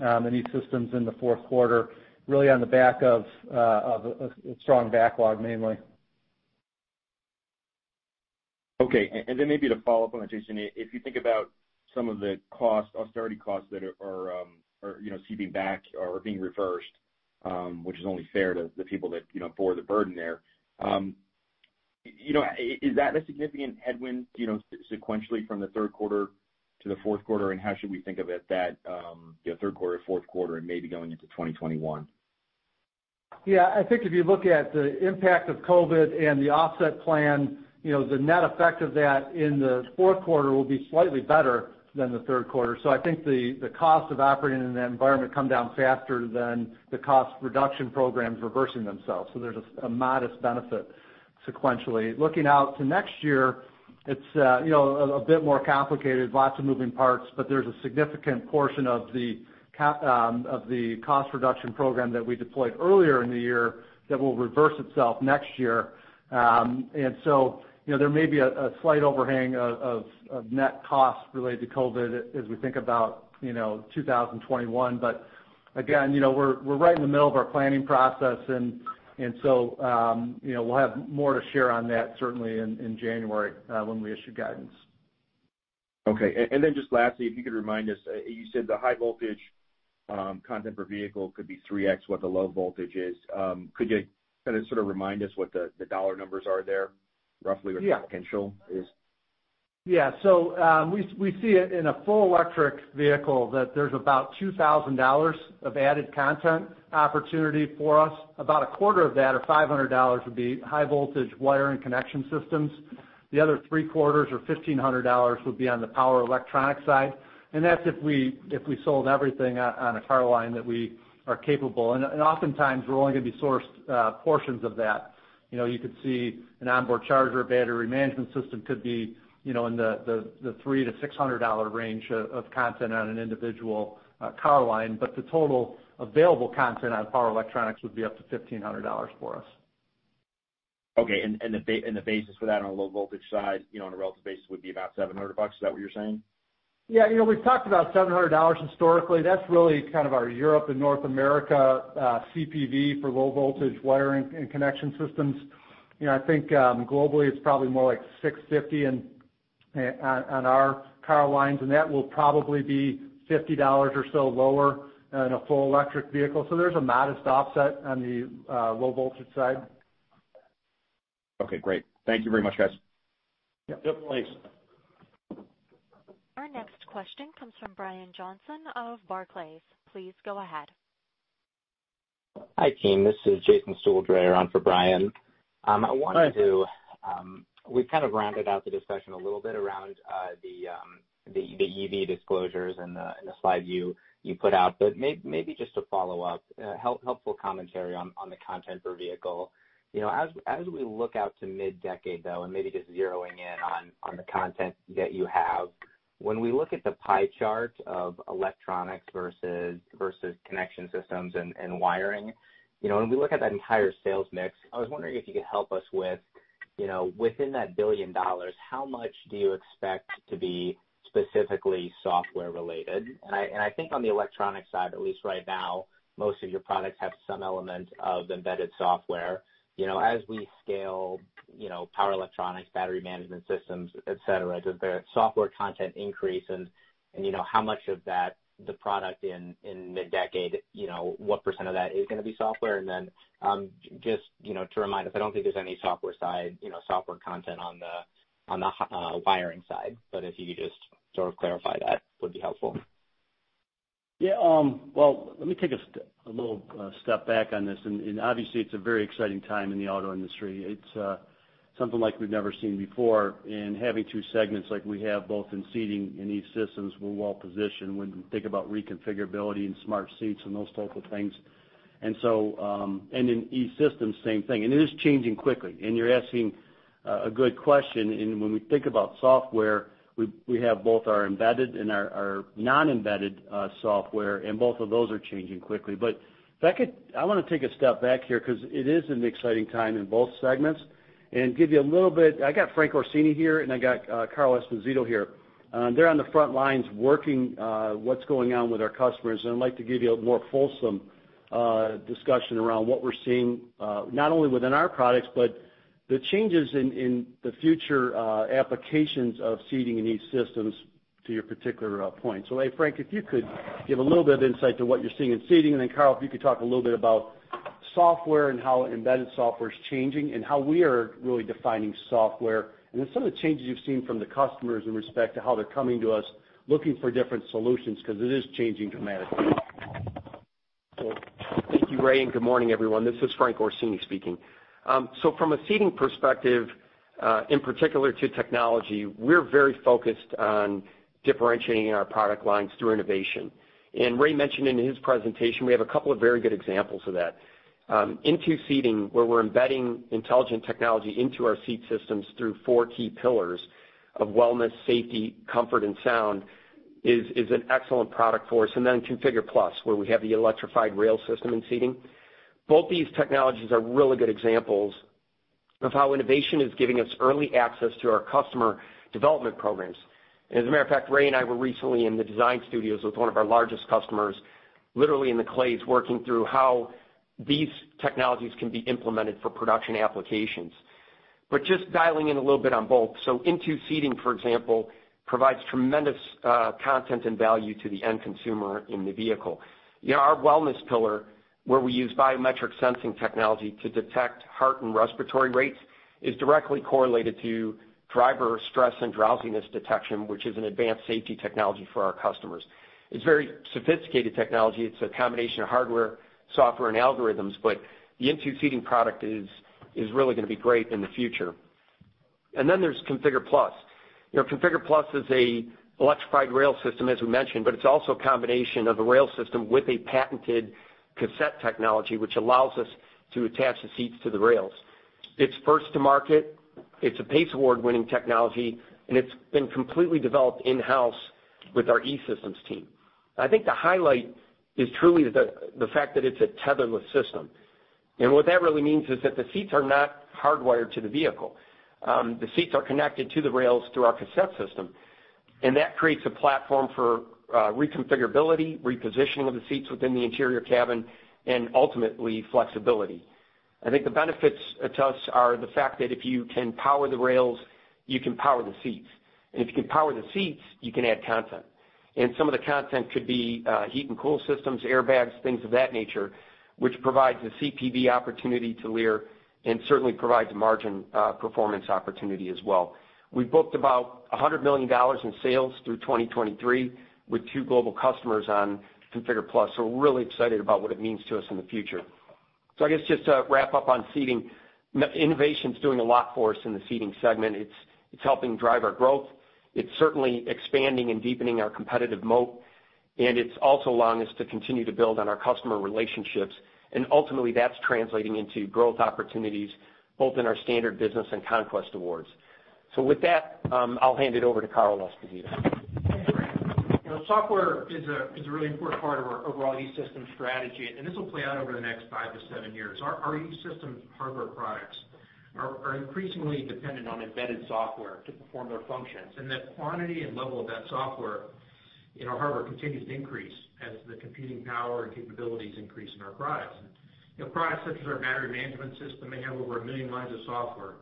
in E-Systems in the fourth quarter, really on the back of a strong backlog, mainly.
Okay. Maybe to follow up on that, Jason, if you think about some of the austerity costs that are seeping back or are being reversed, which is only fair to the people that bore the burden there, is that a significant headwind sequentially from the third quarter to the fourth quarter? How should we think of it that third quarter, fourth quarter and maybe going into 2021?
Yeah, I think if you look at the impact of COVID and the offset plan, the net effect of that in the fourth quarter will be slightly better than the third quarter. I think the cost of operating in that environment come down faster than the cost reduction programs reversing themselves. There's a modest benefit sequentially. Looking out to next year, it's a bit more complicated, lots of moving parts, there's a significant portion of the cost reduction program that we deployed earlier in the year that will reverse itself next year. There may be a slight overhang of net cost related to COVID-19 as we think about 2021. Again, we're right in the middle of our planning process, we'll have more to share on that certainly in January when we issue guidance.
Okay. Just lastly, if you could remind us, you said the high voltage content per vehicle could be 3x what the low voltage is. Could you kind of sort of remind us what the dollar numbers are there roughly or the potential is?
Yeah. We see it in a full electric vehicle that there's about $2,000 of added content opportunity for us. About a quarter of that, or $500, would be high voltage wire and connection systems. The other three quarters or $1,500 would be on the power electronic side. That's if we sold everything on a car line that we are capable. Oftentimes we're only going to be sourced portions of that. You could see an onboard charger, battery management system could be in the $300-$600 range of content on an individual car line. The total available content on power electronics would be up to $1,500 for us.
Okay, the basis for that on the low voltage side, on a relative basis would be about $700. Is that what you're saying?
Yeah. We've talked about $700 historically. That's really kind of our Europe and North America CPV for low voltage wiring and connection systems. I think globally it's probably more like $650 on our car lines, and that will probably be $50 or so lower in a full electric vehicle. There's a modest offset on the low voltage side.
Okay, great. Thank you very much, guys.
Yep. Yep, thanks.
Our next question comes from Brian Johnson of Barclays. Please go ahead.
Hi, team. This is Jason Stuhldreher on for Brian. We've kind of rounded out the discussion a little bit around the EV disclosures and the slide you put out, but maybe just to follow up, helpful commentary on the content per vehicle. As we look out to mid-decade, though, and maybe just zeroing in on the content that you have, when we look at the pie chart of electronics versus connection systems and wiring, when we look at that entire sales mix, I was wondering if you could help us with, within that $1 billion, how much do you expect to be specifically software related? I think on the electronic side, at least right now, most of your products have some element of embedded software. As we scale power electronics, battery management systems, etc., does the software content increase? How much of that, the product in mid-decade, what percent of that is going to be software? Just to remind us, I don't think there's any software content on the wiring side. If you could just sort of clarify that would be helpful.
Yeah. Well, let me take a little step back on this, and obviously it's a very exciting time in the auto industry. It's something like we've never seen before, and having two segments like we have, both in Seating and E-Systems, we're well positioned when we think about reconfigurability and smart seats and those types of things. In E-Systems, same thing. It is changing quickly, and you're asking a good question. When we think about software, we have both our embedded and our non-embedded software, and both of those are changing quickly. I want to take a step back here because it is an exciting time in both segments. I got Frank Orsini here, and I got Carl Esposito here. They're on the front lines working what's going on with our customers, and I'd like to give you a more fulsome discussion around what we're seeing, not only within our products, but the changes in the future applications of Seating and E-Systems, to your particular point. Frank, if you could give a little bit of insight to what you're seeing in Seating, and then Carl, if you could talk a little bit about software and how embedded software is changing and how we are really defining software and then some of the changes you've seen from the customers in respect to how they're coming to us looking for different solutions, because it is changing dramatically.
Thank you, Ray. Good morning, everyone. This is Frank Orsini speaking. From a Seating perspective, in particular to technology, we're very focused on differentiating our product lines through innovation. Ray mentioned in his presentation, we have a couple of very good examples of that. INTU Seating, where we're embedding intelligent technology into our seat systems through four key pillars of wellness, safety, comfort, and sound is an excellent product for us. ConfigurE+, where we have the electrified rail system in Seating. Both these technologies are really good examples of how innovation is giving us early access to our customer development programs. As a matter of fact, Ray and I were recently in the design studios with one of our largest customers, literally in the clays, working through how these technologies can be implemented for production applications. Just dialing in a little bit on both. INTU Seating, for example, provides tremendous content and value to the end consumer in the vehicle. Our wellness pillar, where we use biometric sensing technology to detect heart and respiratory rates, is directly correlated to driver stress and drowsiness detection, which is an advanced safety technology for our customers. It's very sophisticated technology. It's a combination of hardware, software, and algorithms, but the INTU Seating product is really going to be great in the future. There's ConfigurE+. ConfigurE+ is an electrified rail system, as we mentioned, but it's also a combination of a rail system with a patented cassette technology, which allows us to attach the seats to the rails. It's first to market, it's a PACE Award-winning technology, and it's been completely developed in-house with our E-Systems team. I think the highlight is truly the fact that it's a tetherless system. What that really means is that the seats are not hardwired to the vehicle. The seats are connected to the rails through our cassette system, and that creates a platform for reconfigurability, repositioning of the seats within the interior cabin, and ultimately flexibility. I think the benefits to us are the fact that if you can power the rails, you can power the seats. If you can power the seats, you can add content. Some of the content could be heat and cool systems, airbags, things of that nature, which provides a CPV opportunity to Lear and certainly provides a margin performance opportunity as well. We booked about $100 million in sales through 2023 with two global customers on ConfigurE+. We're really excited about what it means to us in the future. I guess just to wrap up on Seating, innovation's doing a lot for us in the Seating segment. It's helping drive our growth. It's certainly expanding and deepening our competitive moat, and it's also allowing us to continue to build on our customer relationships, and ultimately that's translating into growth opportunities both in our standard business and conquest awards. With that, I'll hand it over to Carl Esposito.
Software is a really important part of our overall E-Systems strategy, and this will play out over the next five to seven years. Our E-Systems hardware products are increasingly dependent on embedded software to perform their functions, and the quantity and level of that software in our hardware continues to increase as the computing power and capabilities increase in our products. Products such as our battery management system may have over 1 million lines of software,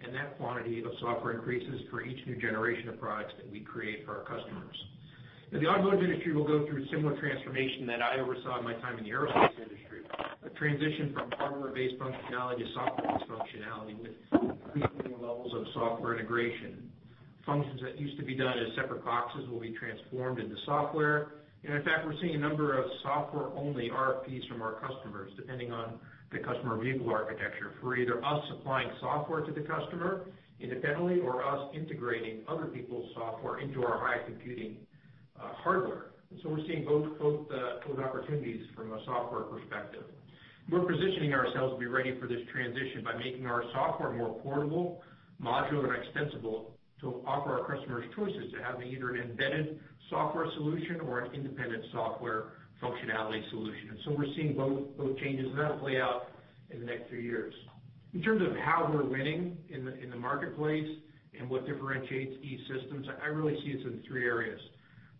and that quantity of software increases for each new generation of products that we create for our customers. The automotive industry will go through a similar transformation that I oversaw in my time in the aerospace industry, a transition from hardware-based functionality to software-based functionality with increasing levels of software integration. Functions that used to be done as separate boxes will be transformed into software. In fact, we're seeing a number of software-only RFPs from our customers, depending on the customer vehicle architecture, for either us supplying software to the customer independently or us integrating other people's software into our high computing hardware. We're seeing both opportunities from a software perspective. We're positioning ourselves to be ready for this transition by making our software more portable, modular, and extensible to offer our customers choices to have either an embedded software solution or an independent software functionality solution. We're seeing both changes, and that'll play out in the next few years. In terms of how we're winning in the marketplace and what differentiates E-Systems, I really see it's in three areas.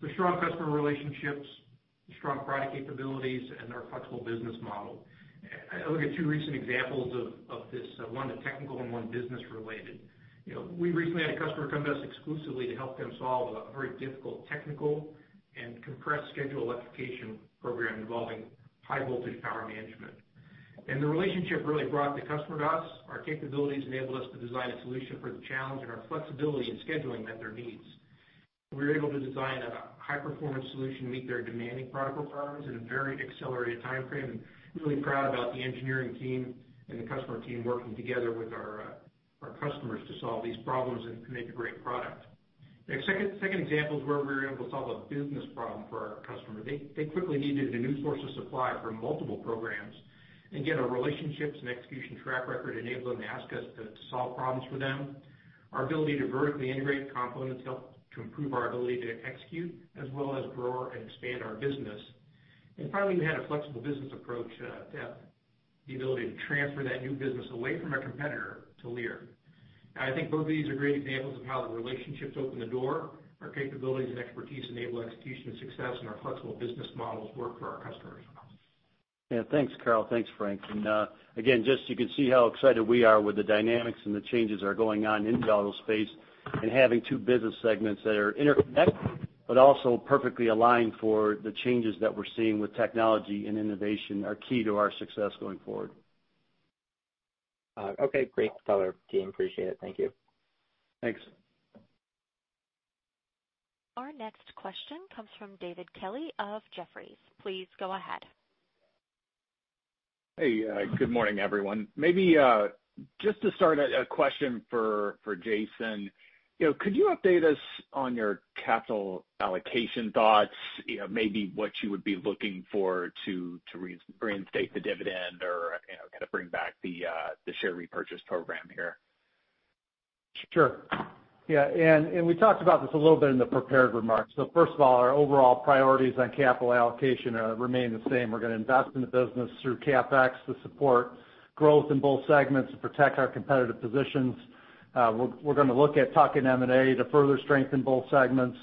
The strong customer relationships, the strong product capabilities, and our flexible business model. I look at two recent examples of this, one technical and one business related. We recently had a customer come to us exclusively to help them solve a very difficult technical and compressed schedule electrification program involving high voltage power management. The relationship really brought the customer to us. Our capabilities enabled us to design a solution for the challenge, and our flexibility in scheduling met their needs. We were able to design a high-performance solution to meet their demanding product requirements in a very accelerated timeframe, and really proud about the engineering team and the customer team working together with our customers to solve these problems and make a great product. The second example is where we were able to solve a business problem for our customer. They quickly needed a new source of supply for multiple programs, and again, our relationships and execution track record enabled them to ask us to solve problems for them. Our ability to vertically integrate components helped to improve our ability to execute as well as grow and expand our business. Finally, we had a flexible business approach to have the ability to transfer that new business away from a competitor to Lear. I think both of these are great examples of how the relationships open the door, our capabilities and expertise enable execution and success, and our flexible business models work for our customers.
Yeah. Thanks, Carl. Thanks, Frank. Again, just you can see how excited we are with the dynamics and the changes that are going on in the automotive space and having two business segments that are interconnected but also perfectly aligned for the changes that we're seeing with technology and innovation are key to our success going forward.
Okay. Great color, team. Appreciate it. Thank you.
Thanks.
Our next question comes from David Kelley of Jefferies. Please go ahead.
Hey, good morning, everyone. Maybe just to start a question for Jason. Could you update us on your capital allocation thoughts? Maybe what you would be looking for to reinstate the dividend or kind of bring back the share repurchase program here?
Sure. Yeah, we talked about this a little bit in the prepared remarks. First of all, our overall priorities on capital allocation remain the same. We're going to invest in the business through CapEx to support growth in both segments to protect our competitive positions. We're going to look at tuck-in M&A to further strengthen both segments.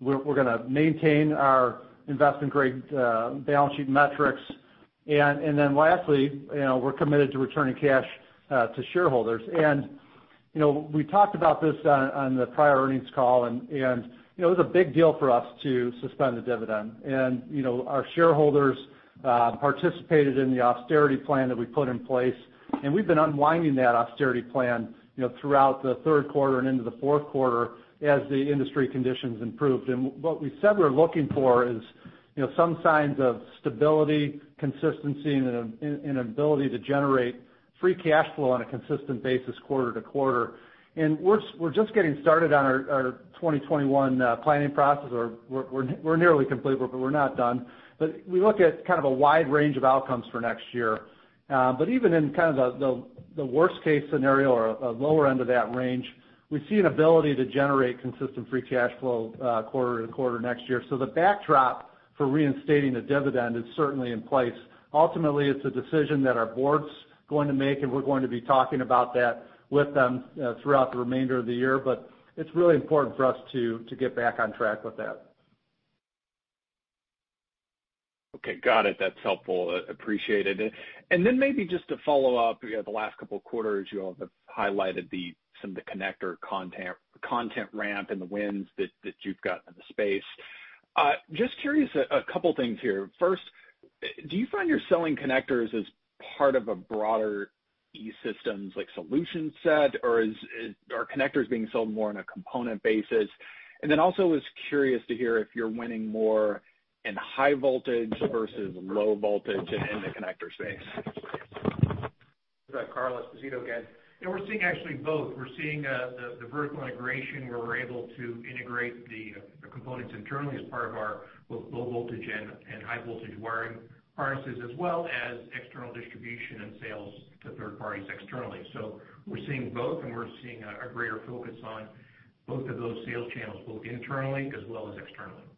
We're going to maintain our investment-grade balance sheet metrics. Lastly, we're committed to returning cash to shareholders. We talked about this on the prior earnings call, and it was a big deal for us to suspend the dividend. Our shareholders participated in the austerity plan that we put in place, and we've been unwinding that austerity plan throughout the third quarter and into the fourth quarter as the industry conditions improved. What we said we're looking for is some signs of stability, consistency, and an ability to generate free cash flow on a consistent basis quarter to quarter. We're just getting started on our 2021 planning process. We're nearly complete with it, but we're not done. We look at kind of a wide range of outcomes for next year. Even in kind of the worst case scenario or a lower end of that range, we see an ability to generate consistent free cash flow quarter to quarter next year. The backdrop for reinstating the dividend is certainly in place. Ultimately, it's a decision that our board's going to make, and we're going to be talking about that with them throughout the remainder of the year. It's really important for us to get back on track with that.
Okay. Got it. That's helpful. Appreciate it. Then maybe just to follow up, the last couple of quarters, you all have highlighted some of the connector content ramp and the wins that you've got in the space. Just curious, a couple things here. First, do you find you're selling connectors as part of a broader E-Systems like solution set or are connectors being sold more on a component basis? Then also was curious to hear if you're winning more in high voltage versus low voltage in the connector space.
Carl Esposito again. We're seeing actually both. We're seeing the vertical integration where we're able to integrate the components internally as part of our both low voltage and high voltage wiring harnesses as well as external distribution and sales to third parties externally. We're seeing both, and we're seeing a greater focus on both of those sales channels, both internally as well as externally.
Okay,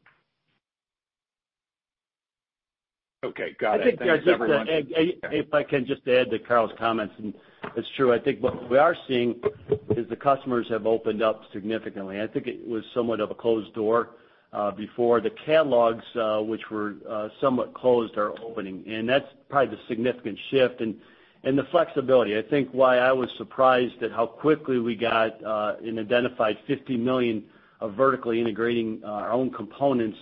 got it. Thanks, everyone.
If I can just add to Carl's comments, it's true, I think what we are seeing is the customers have opened up significantly. I think it was somewhat of a closed door before. The catalogs, which were somewhat closed, are opening, that's probably the significant shift, and the flexibility. I think why I was surprised at how quickly we got and identified $50 million of vertically integrating our own components.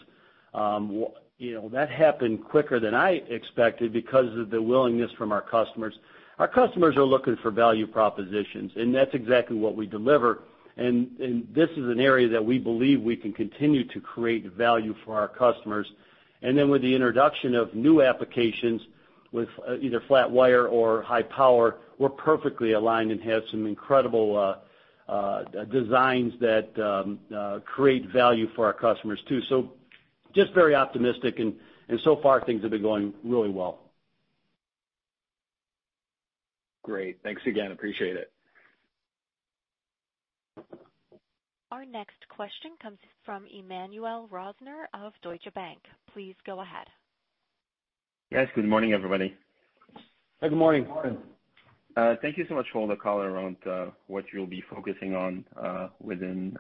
That happened quicker than I expected because of the willingness from our customers. Our customers are looking for value propositions, that's exactly what we deliver. This is an area that we believe we can continue to create value for our customers. With the introduction of new applications with either flat wire or high power, we're perfectly aligned and have some incredible designs that create value for our customers, too. Just very optimistic, and so far things have been going really well.
Great. Thanks again. Appreciate it.
Our next question comes from Emmanuel Rosner of Deutsche Bank. Please go ahead.
Yes, good morning, everybody.
Good morning.
Morning.
Thank you so much for the color around what you'll be focusing on within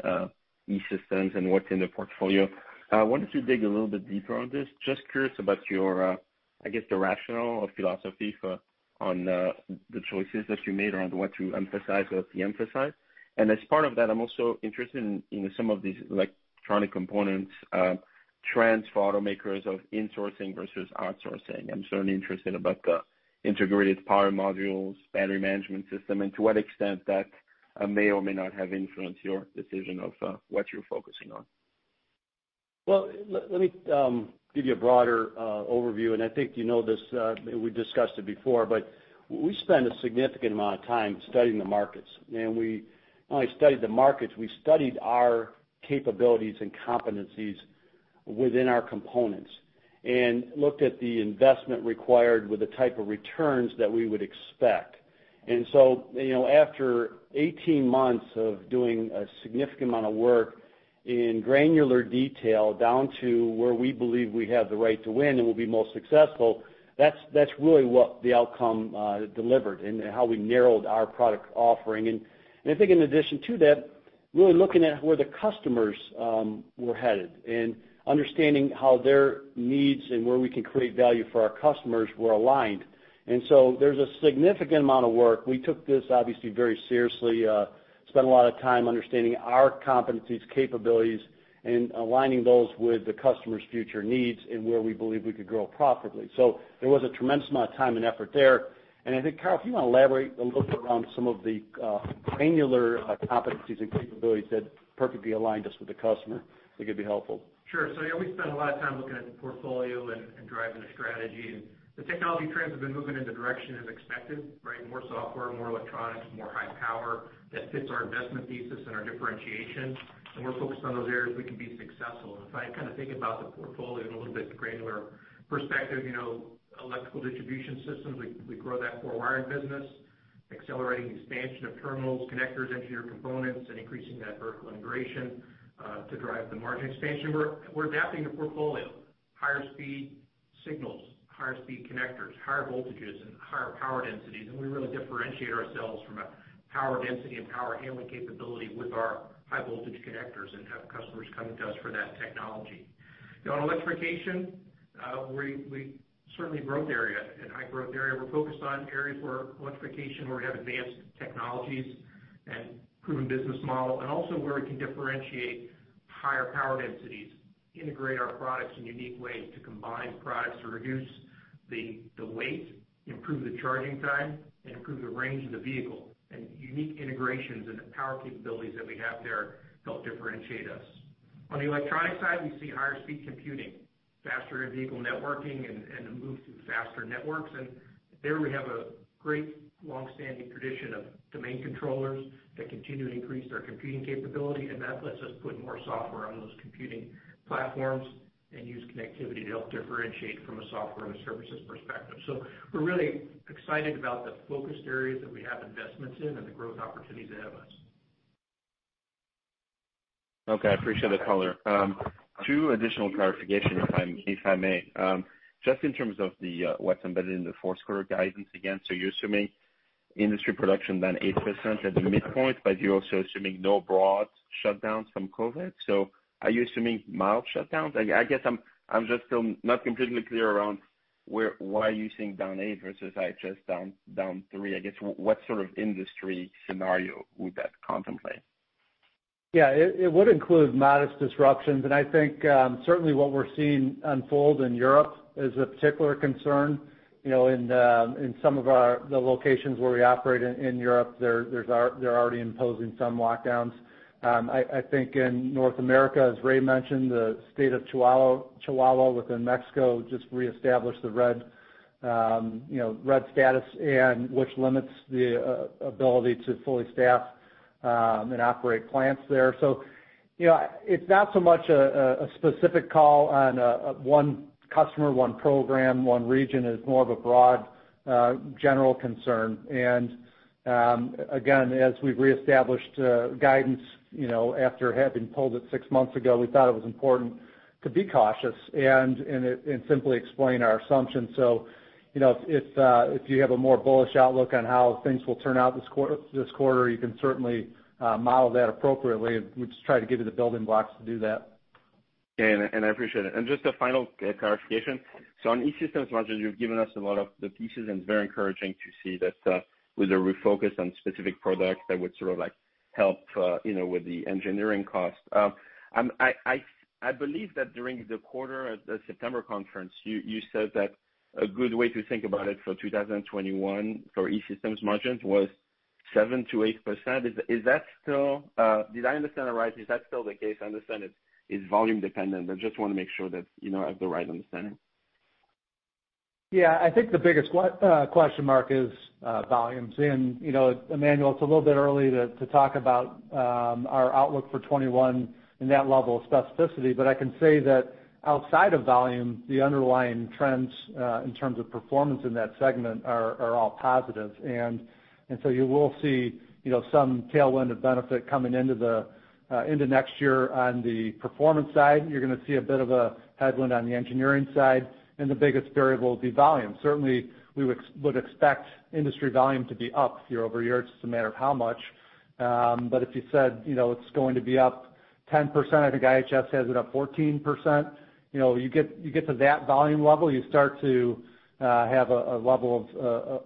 E-Systems and what's in the portfolio. I wanted to dig a little bit deeper on this. Just curious about your, I guess, the rationale or philosophy on the choices that you made around what to emphasize or de-emphasize. As part of that, I'm also interested in some of these electronic components trends for automakers of insourcing versus outsourcing. I'm certainly interested about the integrated power modules, Battery Management System, and to what extent that may or may not have influenced your decision of what you're focusing on.
Well, let me give you a broader overview, and I think you know this, we discussed it before, but we spend a significant amount of time studying the markets. When we studied the markets, we studied our capabilities and competencies within our components and looked at the investment required with the type of returns that we would expect. After 18 months of doing a significant amount of work in granular detail down to where we believe we have the right to win and will be most successful, that's really what the outcome delivered and how we narrowed our product offering. I think in addition to that, really looking at where the customers were headed and understanding how their needs and where we can create value for our customers were aligned. There's a significant amount of work. We took this obviously very seriously, spent a lot of time understanding our competencies, capabilities, and aligning those with the customer's future needs and where we believe we could grow profitably. There was a tremendous amount of time and effort there. I think, Carl, if you want to elaborate a little around some of the granular competencies and capabilities that perfectly aligned us with the customer, I think it'd be helpful.
Yeah, we spent a lot of time looking at the portfolio and driving the strategy, and the technology trends have been moving in the direction as expected, right. More software, more electronics, more high power. That fits our investment thesis and our differentiation. We're focused on those areas we can be successful. If I think about the portfolio in a little bit granular perspective, electrical distribution systems, we grow that core wiring business, accelerating the expansion of terminals, connectors, engineered components, and increasing that vertical integration to drive the margin expansion. We're adapting the portfolio. Higher speed signals, higher speed connectors, higher voltages, and higher power densities. We really differentiate ourselves from a power density and power handling capability with our high voltage connectors and have customers coming to us for that technology. On electrification, certainly growth area and high growth area. We're focused on areas where electrification, where we have advanced technologies and proven business model, and also where we can differentiate higher power densities, integrate our products in unique ways to combine products to reduce the weight, improve the charging time, and improve the range of the vehicle. Unique integrations and the power capabilities that we have there help differentiate us. On the electronic side, we see higher speed computing, faster in-vehicle networking, and a move to faster networks. There we have a great longstanding tradition of domain controllers that continue to increase their computing capability, and that lets us put more software on those computing platforms and use connectivity to help differentiate from a software and services perspective. We're really excited about the focused areas that we have investments in and the growth opportunities ahead of us.
Okay. I appreciate the color. Two additional clarification, if I may. Just in terms of what's embedded in the fourth quarter guidance, again, you're assuming industry production down 8% at the midpoint. You're also assuming no broad shutdowns from COVID. Are you assuming mild shutdowns? I guess I'm just still not completely clear around why you think down 8% versus IHS down 3%. I guess what sort of industry scenario would that contemplate?
It would include modest disruptions, and I think certainly what we're seeing unfold in Europe is of particular concern. In some of the locations where we operate in Europe, they're already imposing some lockdowns. I think in North America, as Ray mentioned, the state of Chihuahua within Mexico just reestablished the red status, which limits the ability to fully staff. Operate plants there. It's not so much a specific call on one customer, one program, one region. It's more of a broad general concern. Again, as we've reestablished guidance after having pulled it six months ago, we thought it was important to be cautious and simply explain our assumptions. If you have a more bullish outlook on how things will turn out this quarter, you can certainly model that appropriately. We just try to give you the building blocks to do that.
I appreciate it. Just a final clarification. On E-Systems margins, you've given us a lot of the pieces and it's very encouraging to see that with a refocus on specific products that would sort of help with the engineering cost. I believe that during the quarter at the September conference, you said that a good way to think about it for 2021 for E-Systems margins was 7%-8%. Did I understand that right? Is that still the case? I understand it is volume dependent, but just want to make sure that I have the right understanding.
Yeah. I think the biggest question mark is volumes. Emmanuel, it's a little bit early to talk about our outlook for 2021 in that level of specificity, but I can say that outside of volume, the underlying trends in terms of performance in that segment are all positive. You will see some tailwind of benefit coming into next year on the performance side. You're going to see a bit of a headwind on the engineering side and the biggest variable will be volume. Certainly we would expect industry volume to be up year-over-year. It's just a matter of how much. If you said it's going to be up 10%, I think IHS has it up 14%. You get to that volume level, you start to have a level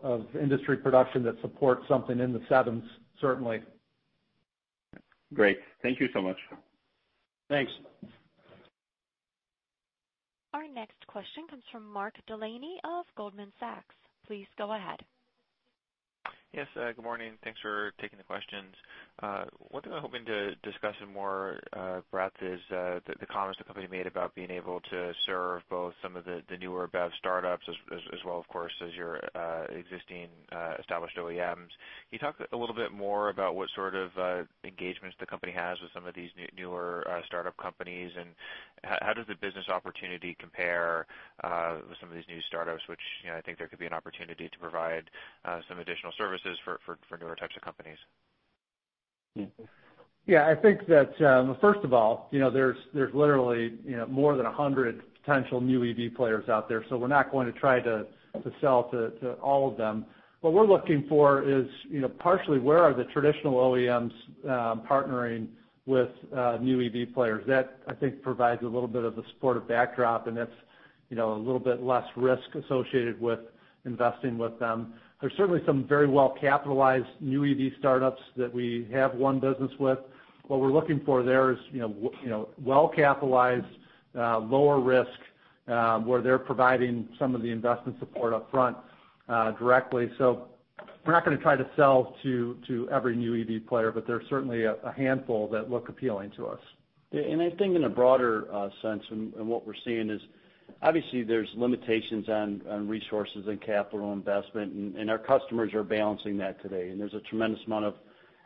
of industry production that supports something in the 7s, certainly.
Great. Thank you so much.
Thanks.
Our next question comes from Mark Delaney of Goldman Sachs. Please go ahead.
Yes. Good morning. Thanks for taking the questions. What I'm hoping to discuss in more breadth is the comments the company made about being able to serve both some of the newer BEV startups as well, of course, as your existing established OEMs. Can you talk a little bit more about what sort of engagements the company has with some of these newer startup companies and how does the business opportunity compare with some of these new startups, which I think there could be an opportunity to provide some additional services for newer types of companies?
Yeah. I think that first of all there's literally more than 100 potential new EV players out there, so we're not going to try to sell to all of them. What we're looking for is partially where are the traditional OEMs partnering with new EV players. That I think provides a little bit of a supportive backdrop and that's a little bit less risk associated with investing with them. There's certainly some very well capitalized new EV startups that we have won business with. What we're looking for there is well capitalized, lower risk where they're providing some of the investment support up front directly. We're not going to try to sell to every new EV player, but there's certainly a handful that look appealing to us.
I think in a broader sense what we're seeing is obviously there's limitations on resources and capital investment and our customers are balancing that today and there's a tremendous amount of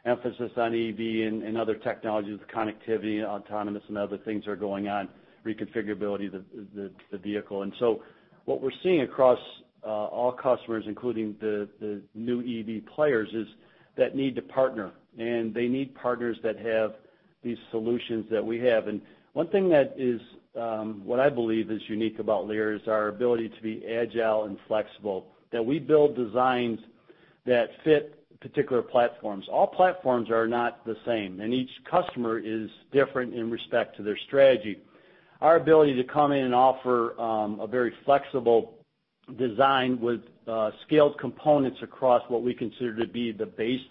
emphasis on EV and other technologies, connectivity, autonomous and other things are going on, reconfigurability of the vehicle. What we're seeing across all customers including the new EV players is that need to partner and they need partners that have these solutions that we have. One thing that is what I believe is unique about Lear is our ability to be agile and flexible, that we build designs that fit particular platforms. All platforms are not the same and each customer is different in respect to their strategy. Our ability to come in and offer a very flexible design with scaled components across what we consider to be the base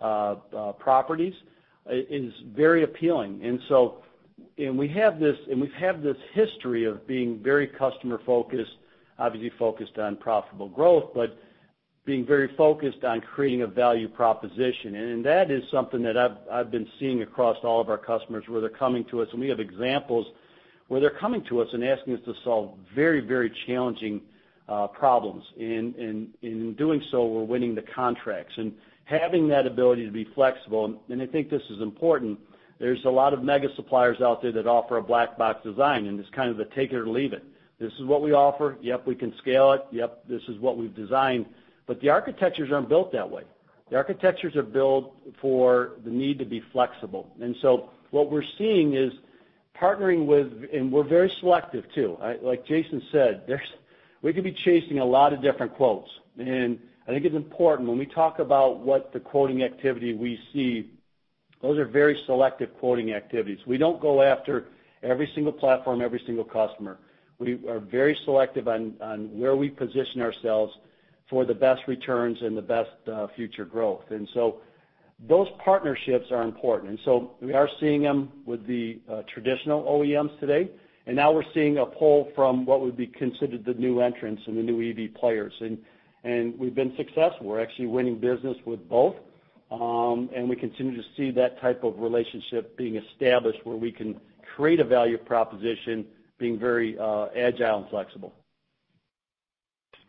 properties is very appealing. We have this history of being very customer focused, obviously focused on profitable growth, but being very focused on creating a value proposition. That is something that I've been seeing across all of our customers where they're coming to us and we have examples where they're coming to us and asking us to solve very challenging problems and in doing so we're winning the contracts. Having that ability to be flexible and I think this is important, there's a lot of mega suppliers out there that offer a black box design and it's kind of a take it or leave it. This is what we offer, yep we can scale it, yep this is what we've designed, but the architectures aren't built that way. The architectures are built for the need to be flexible. What we're seeing is partnering with and we're very selective too. Like Jason said, we could be chasing a lot of different quotes and I think it's important when we talk about what the quoting activity we see, those are very selective quoting activities. We don't go after every single platform, every single customer. We are very selective on where we position ourselves for the best returns and the best future growth. Those partnerships are important and so we are seeing them with the traditional OEMs today and now we're seeing a pull from what would be considered the new entrants and the new EV players and we've been successful. We're actually winning business with both and we continue to see that type of relationship being established where we can create a value proposition being very agile and flexible.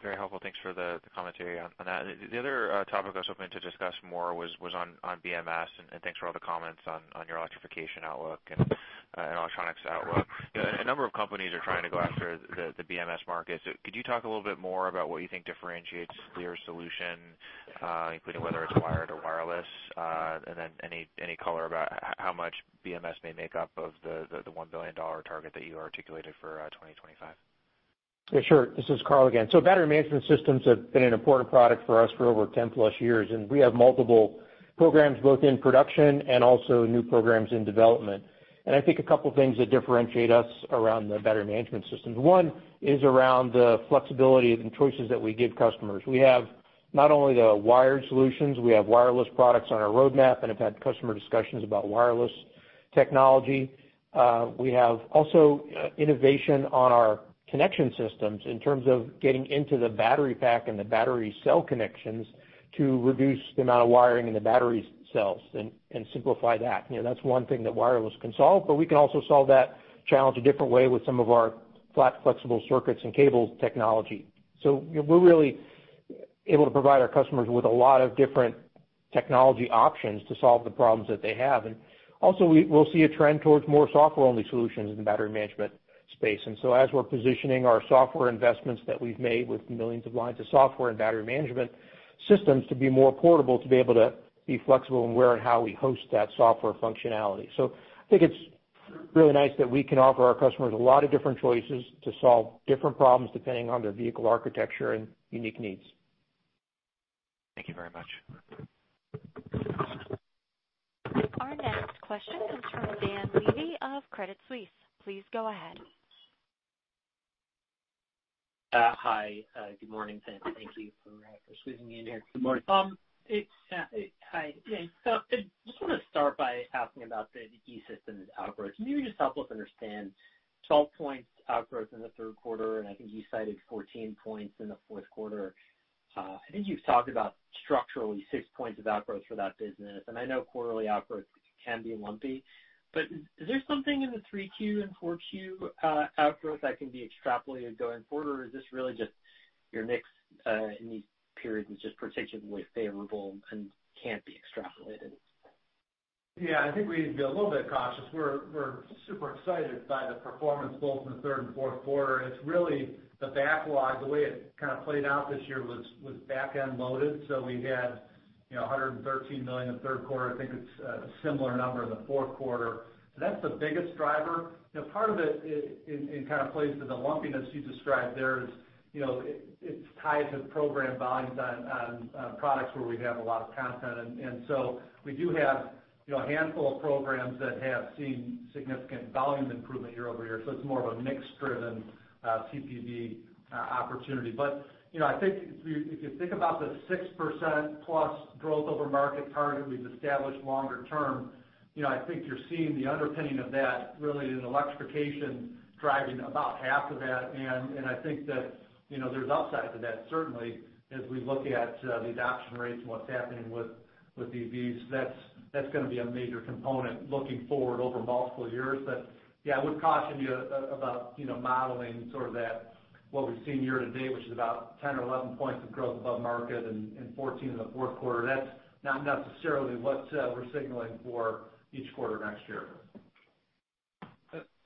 Very helpful. Thanks for the commentary on that. The other topic I was hoping to discuss more was on BMS, and thanks for all the comments on your electrification outlook and electronics outlook. A number of companies are trying to go after the BMS market. Could you talk a little bit more about what you think differentiates your solution, including whether it's wired or wireless? Any color about how much BMS may make up of the $1 billion target that you articulated for 2025?
Yeah, sure. This is Carl again. Battery Management Systems have been an important product for us for over 10+ years, and we have multiple programs both in production and also new programs in development. I think a couple of things that differentiate us around the Battery Management Systems, one is around the flexibility and choices that we give customers. We have not only the wired solutions, we have wireless products on our roadmap and have had customer discussions about wireless technology. We have also innovation on our connection systems in terms of getting into the battery pack and the battery cell connections to reduce the amount of wiring in the battery cells and simplify that. That's one thing that wireless can solve, but we can also solve that challenge a different way with some of our flat, flexible circuits and cables technology. We're really able to provide our customers with a lot of different technology options to solve the problems that they have. Also, we'll see a trend towards more software-only solutions in the battery management space. As we're positioning our software investments that we've made with millions of lines of software and battery management systems to be more portable, to be able to be flexible in where and how we host that software functionality. I think it's really nice that we can offer our customers a lot of different choices to solve different problems depending on their vehicle architecture and unique needs.
Thank you very much.
Our next question comes from Dan Levy of Credit Suisse. Please go ahead.
Hi, good morning, team. Thank you for squeezing me in here.
Good morning.
Hi. I just want to start by asking about the E-Systems outgrowth. Can you just help us understand 12 points outgrowth in the third quarter, and I think you cited 14 points in the fourth quarter. I think you've talked about structurally six points of outgrowth for that business, and I know quarterly outgrowth can be lumpy, but is there something in the 3Q and 4Q outgrowth that can be extrapolated going forward, or is this really just your mix in these periods is just particularly favorable and can't be extrapolated?
I think we need to be a little bit cautious. We're super excited by the performance both in the third and fourth quarter. It's really the backlog. The way it kind of played out this year was back end loaded. We had $113 million in third quarter. I think it's a similar number in the fourth quarter. That's the biggest driver. Part of it kind of plays to the lumpiness you described there is, it's tied to program volumes on products where we have a lot of content. We do have a handful of programs that have seen significant volume improvement year-over-year. It's more of a mix driven CPV opportunity. I think if you think about the 6% plus growth over market target we've established longer term, I think you're seeing the underpinning of that really in electrification driving about half of that. I think that there's upside to that certainly as we look at the adoption rates and what's happening with EVs. That's going to be a major component looking forward over multiple years. Yeah, I would caution you about modeling sort of that what we've seen year-to-date, which is about 10 or 11 points of growth above market and 14 in the fourth quarter. That's not necessarily what we're signaling for each quarter next year.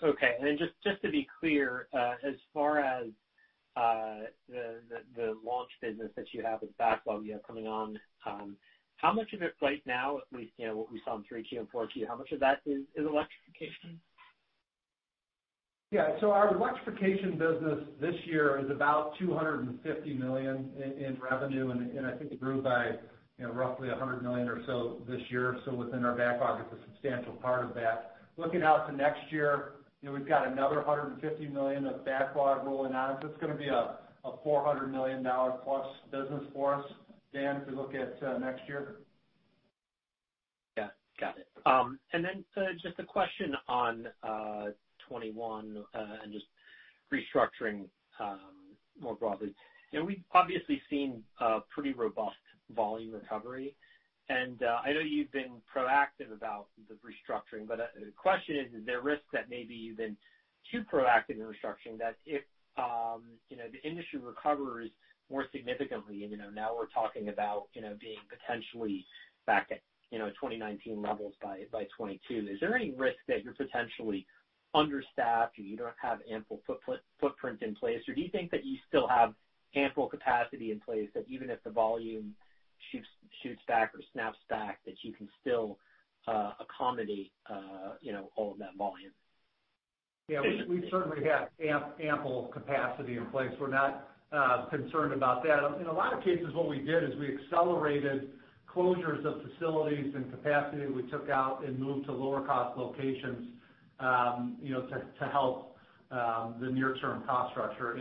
Okay. Then just to be clear, as far as the launch business that you have as backlog coming on, how much of it right now, at least what we saw in 3Q and 4Q, how much of that is electrification?
Our electrification business this year is about $250 million in revenue, and I think it grew by roughly $100 million or so this year. Within our backlog, it's a substantial part of that. Looking out to next year, we've got another $150 million of backlog rolling on. It's going to be a $400 million+ business for us, Dan, if we look at next year.
Yeah, got it. Then just a question on 2021 and just restructuring more broadly. We've obviously seen a pretty robust volume recovery, I know you've been proactive about the restructuring, the question is there risks that maybe you've been too proactive in restructuring that if the industry recovers more significantly, now we're talking about being potentially back at 2019 levels by 2022. Is there any risk that you're potentially understaffed or you don't have ample footprint in place? Do you think that you still have ample capacity in place that even if the volume shoots back or snaps back, that you can still accommodate all of that volume?
We certainly have ample capacity in place. We're not concerned about that. In a lot of cases, what we did is we accelerated closures of facilities and capacity we took out and moved to lower-cost locations to help the near-term cost structure.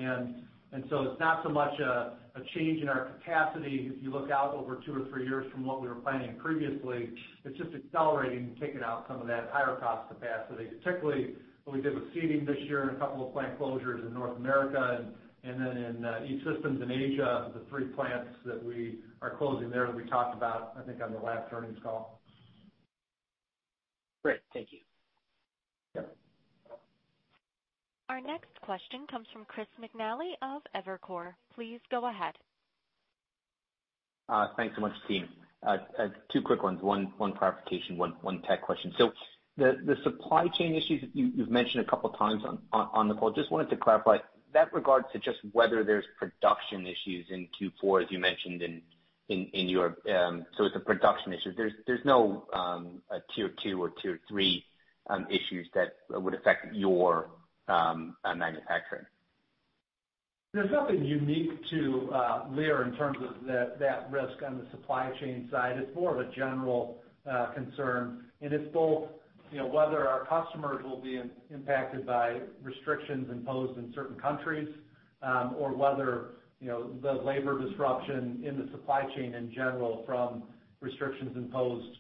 It's not so much a change in our capacity if you look out over two or three years from what we were planning previously. It's just accelerating and taking out some of that higher-cost capacity, particularly what we did with Seating this year and a couple of plant closures in North America and then in E-Systems in Asia, the three plants that we are closing there that we talked about, I think on the last earnings call.
Great. Thank you.
Sure.
Our next question comes from Chris McNally of Evercore. Please go ahead.
Thanks so much, team. Two quick ones. One clarification, one tech question. The supply chain issues you've mentioned a couple times on the call, just wanted to clarify that regards to just whether there's production issues in Q4? It's a production issue. There's no Tier 2 or Tier 3 issues that would affect your manufacturing.
There's nothing unique to Lear in terms of that risk on the supply chain side. It's more of a general concern, and it's both whether our customers will be impacted by restrictions imposed in certain countries, or whether the labor disruption in the supply chain in general from restrictions imposed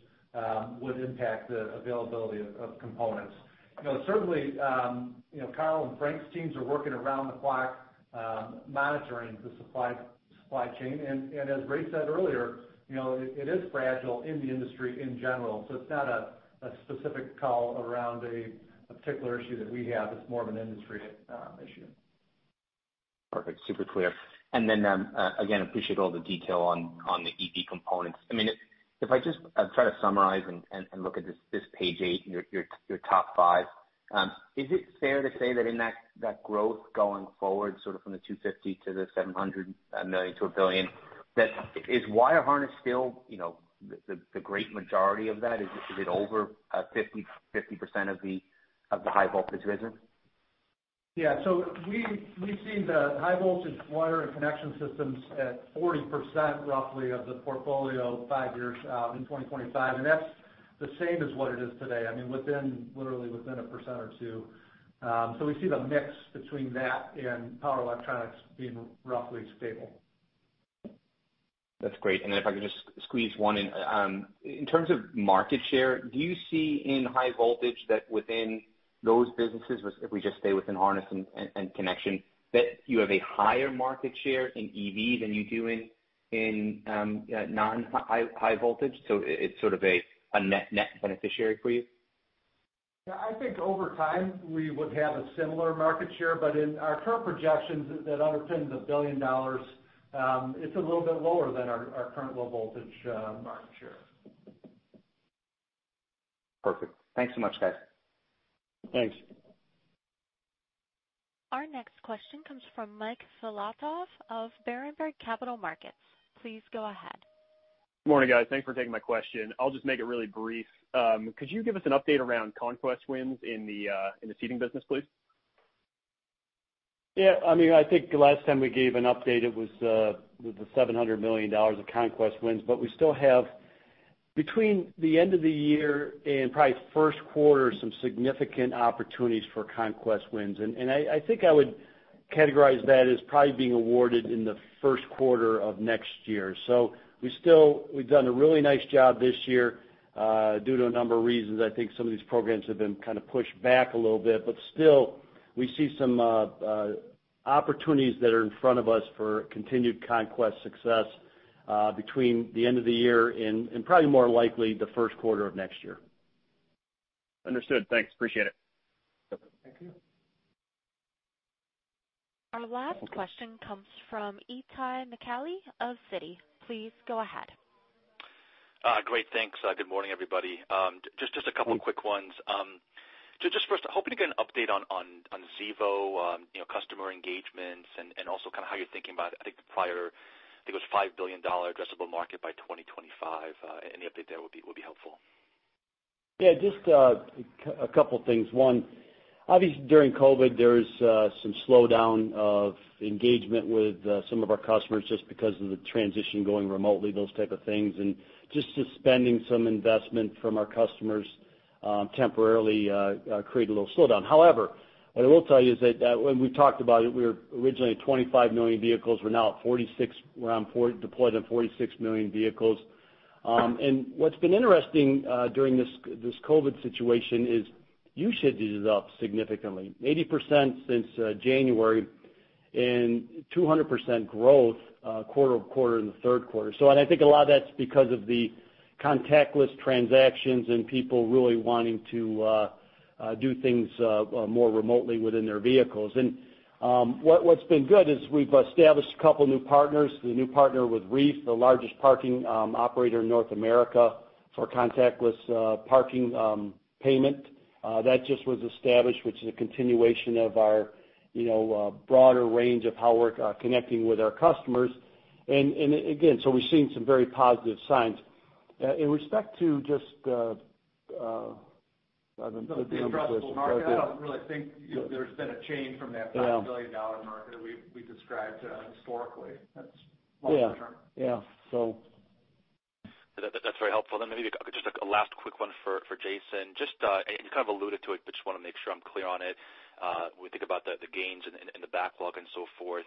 would impact the availability of components. Certainly, Carl and Frank's teams are working around the clock monitoring the supply chain. As Ray said earlier, it is fragile in the industry in general. It's not a specific call around a particular issue that we have. It's more of an industry issue.
Perfect. Super clear. Again, appreciate all the detail on the EV components. If I just try to summarize and look at this page eight, your top five, is it fair to say that in that growth going forward, sort of from the $250 to the $700 million to $1 billion, that is wire harness still the great majority of that? Is it over 50% of the high voltage business?
Yeah. We've seen the high voltage wire and connection systems at 40%, roughly, of the portfolio five years out in 2025, and that's the same as what it is today. Literally within 1% or 2%. We see the mix between that and power electronics being roughly stable.
That's great. If I could just squeeze one in. In terms of market share, do you see in high voltage that within those businesses, if we just stay within harness and connection, that you have a higher market share in EV than you do in non-high voltage, so it's sort of a net beneficiary for you?
Yeah, I think over time, we would have a similar market share, but in our current projections that underpin the $1 billion, it's a little bit lower than our current low voltage market share.
Perfect. Thanks so much, guys.
Thanks.
Our next question comes from Mike Filatov of Berenberg Capital Markets. Please go ahead.
Morning, guys. Thanks for taking my question. I'll just make it really brief. Could you give us an update around conquest wins in the Seating business, please?
I think last time we gave an update, it was the $700 million of conquest wins. We still have between the end of the year and probably first quarter, some significant opportunities for conquest wins. I think I would categorize that as probably being awarded in the first quarter of next year. We've done a really nice job this year. Due to a number of reasons, I think some of these programs have been kind of pushed back a little bit, but still, we see some opportunities that are in front of us for continued conquest success between the end of the year and probably more likely the first quarter of next year.
Understood. Thanks. Appreciate it.
Yep. Thank you.
Our last question comes from Itay Michaeli of Citi. Please go ahead.
Great. Thanks. Good morning, everybody. Just a couple quick ones. Just first, hoping to get an update on Xevo customer engagements and also kind of how you're thinking about, I think the prior, I think it was $5 billion addressable market by 2025. Any update there would be helpful.
Yeah, just a couple things. One, obviously during COVID, there was some slowdown of engagement with some of our customers just because of the transition going remotely, those type of things, and just suspending some investment from our customers temporarily created a little slowdown. What I will tell you is that when we talked about it, we were originally at 25 million vehicles. We're now deployed on 46 million vehicles. What's been interesting during this COVID situation is usage is up significantly, 80% since January and 200% growth quarter-over-quarter in the third quarter. I think a lot of that's because of the contactless transactions and people really wanting to do things more remotely within their vehicles. What's been good is we've established a couple new partners, the new partner with REEF, the largest parking operator in North America, for contactless parking payment. That just was established, which is a continuation of our broader range of how we're connecting with our customers. Again, we've seen some very positive signs. In respect to just-
The addressable market, I don't really think there's been a change from that $5 billion market we described historically. That's long term.
Yeah. Yeah.
That's very helpful. Maybe just a last quick one for Jason. You kind of alluded to it, just want to make sure I'm clear on it. When we think about the gains and the backlog and so forth,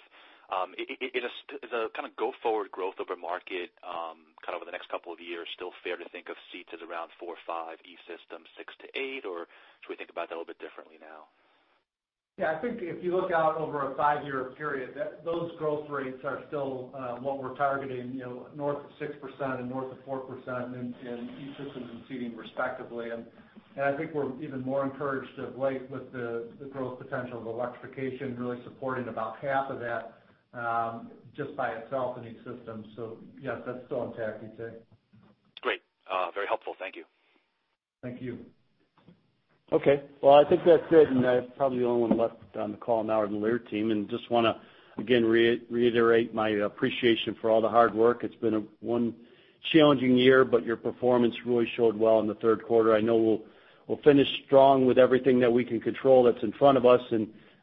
is a kind of go forward growth over market kind of over the next couple of years still fair to think of seats as around 4%-5%, E-Systems, 6%-8%, or should we think about that a little bit differently now?
I think if you look out over a five-year period, those growth rates are still what we're targeting north of 6% and north of 4% in E-Systems and Seating respectively. I think we're even more encouraged of late with the growth potential of electrification really supporting about half of that just by itself in E-Systems. Yes, that's still intact, you'd say.
Great. Very helpful. Thank you.
Thank you.
Okay. Well, I think that's it. I'm probably the only one left on the call now on the Lear team. I just want to again reiterate my appreciation for all the hard work. It's been one challenging year, but your performance really showed well in the third quarter. I know we'll finish strong with everything that we can control that's in front of us.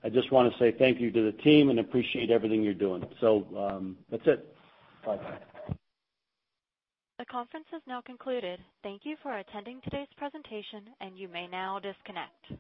I just want to say thank you to the team and appreciate everything you're doing. That's it. Bye.
The conference has now concluded. Thank you for attending today's presentation, and you may now disconnect.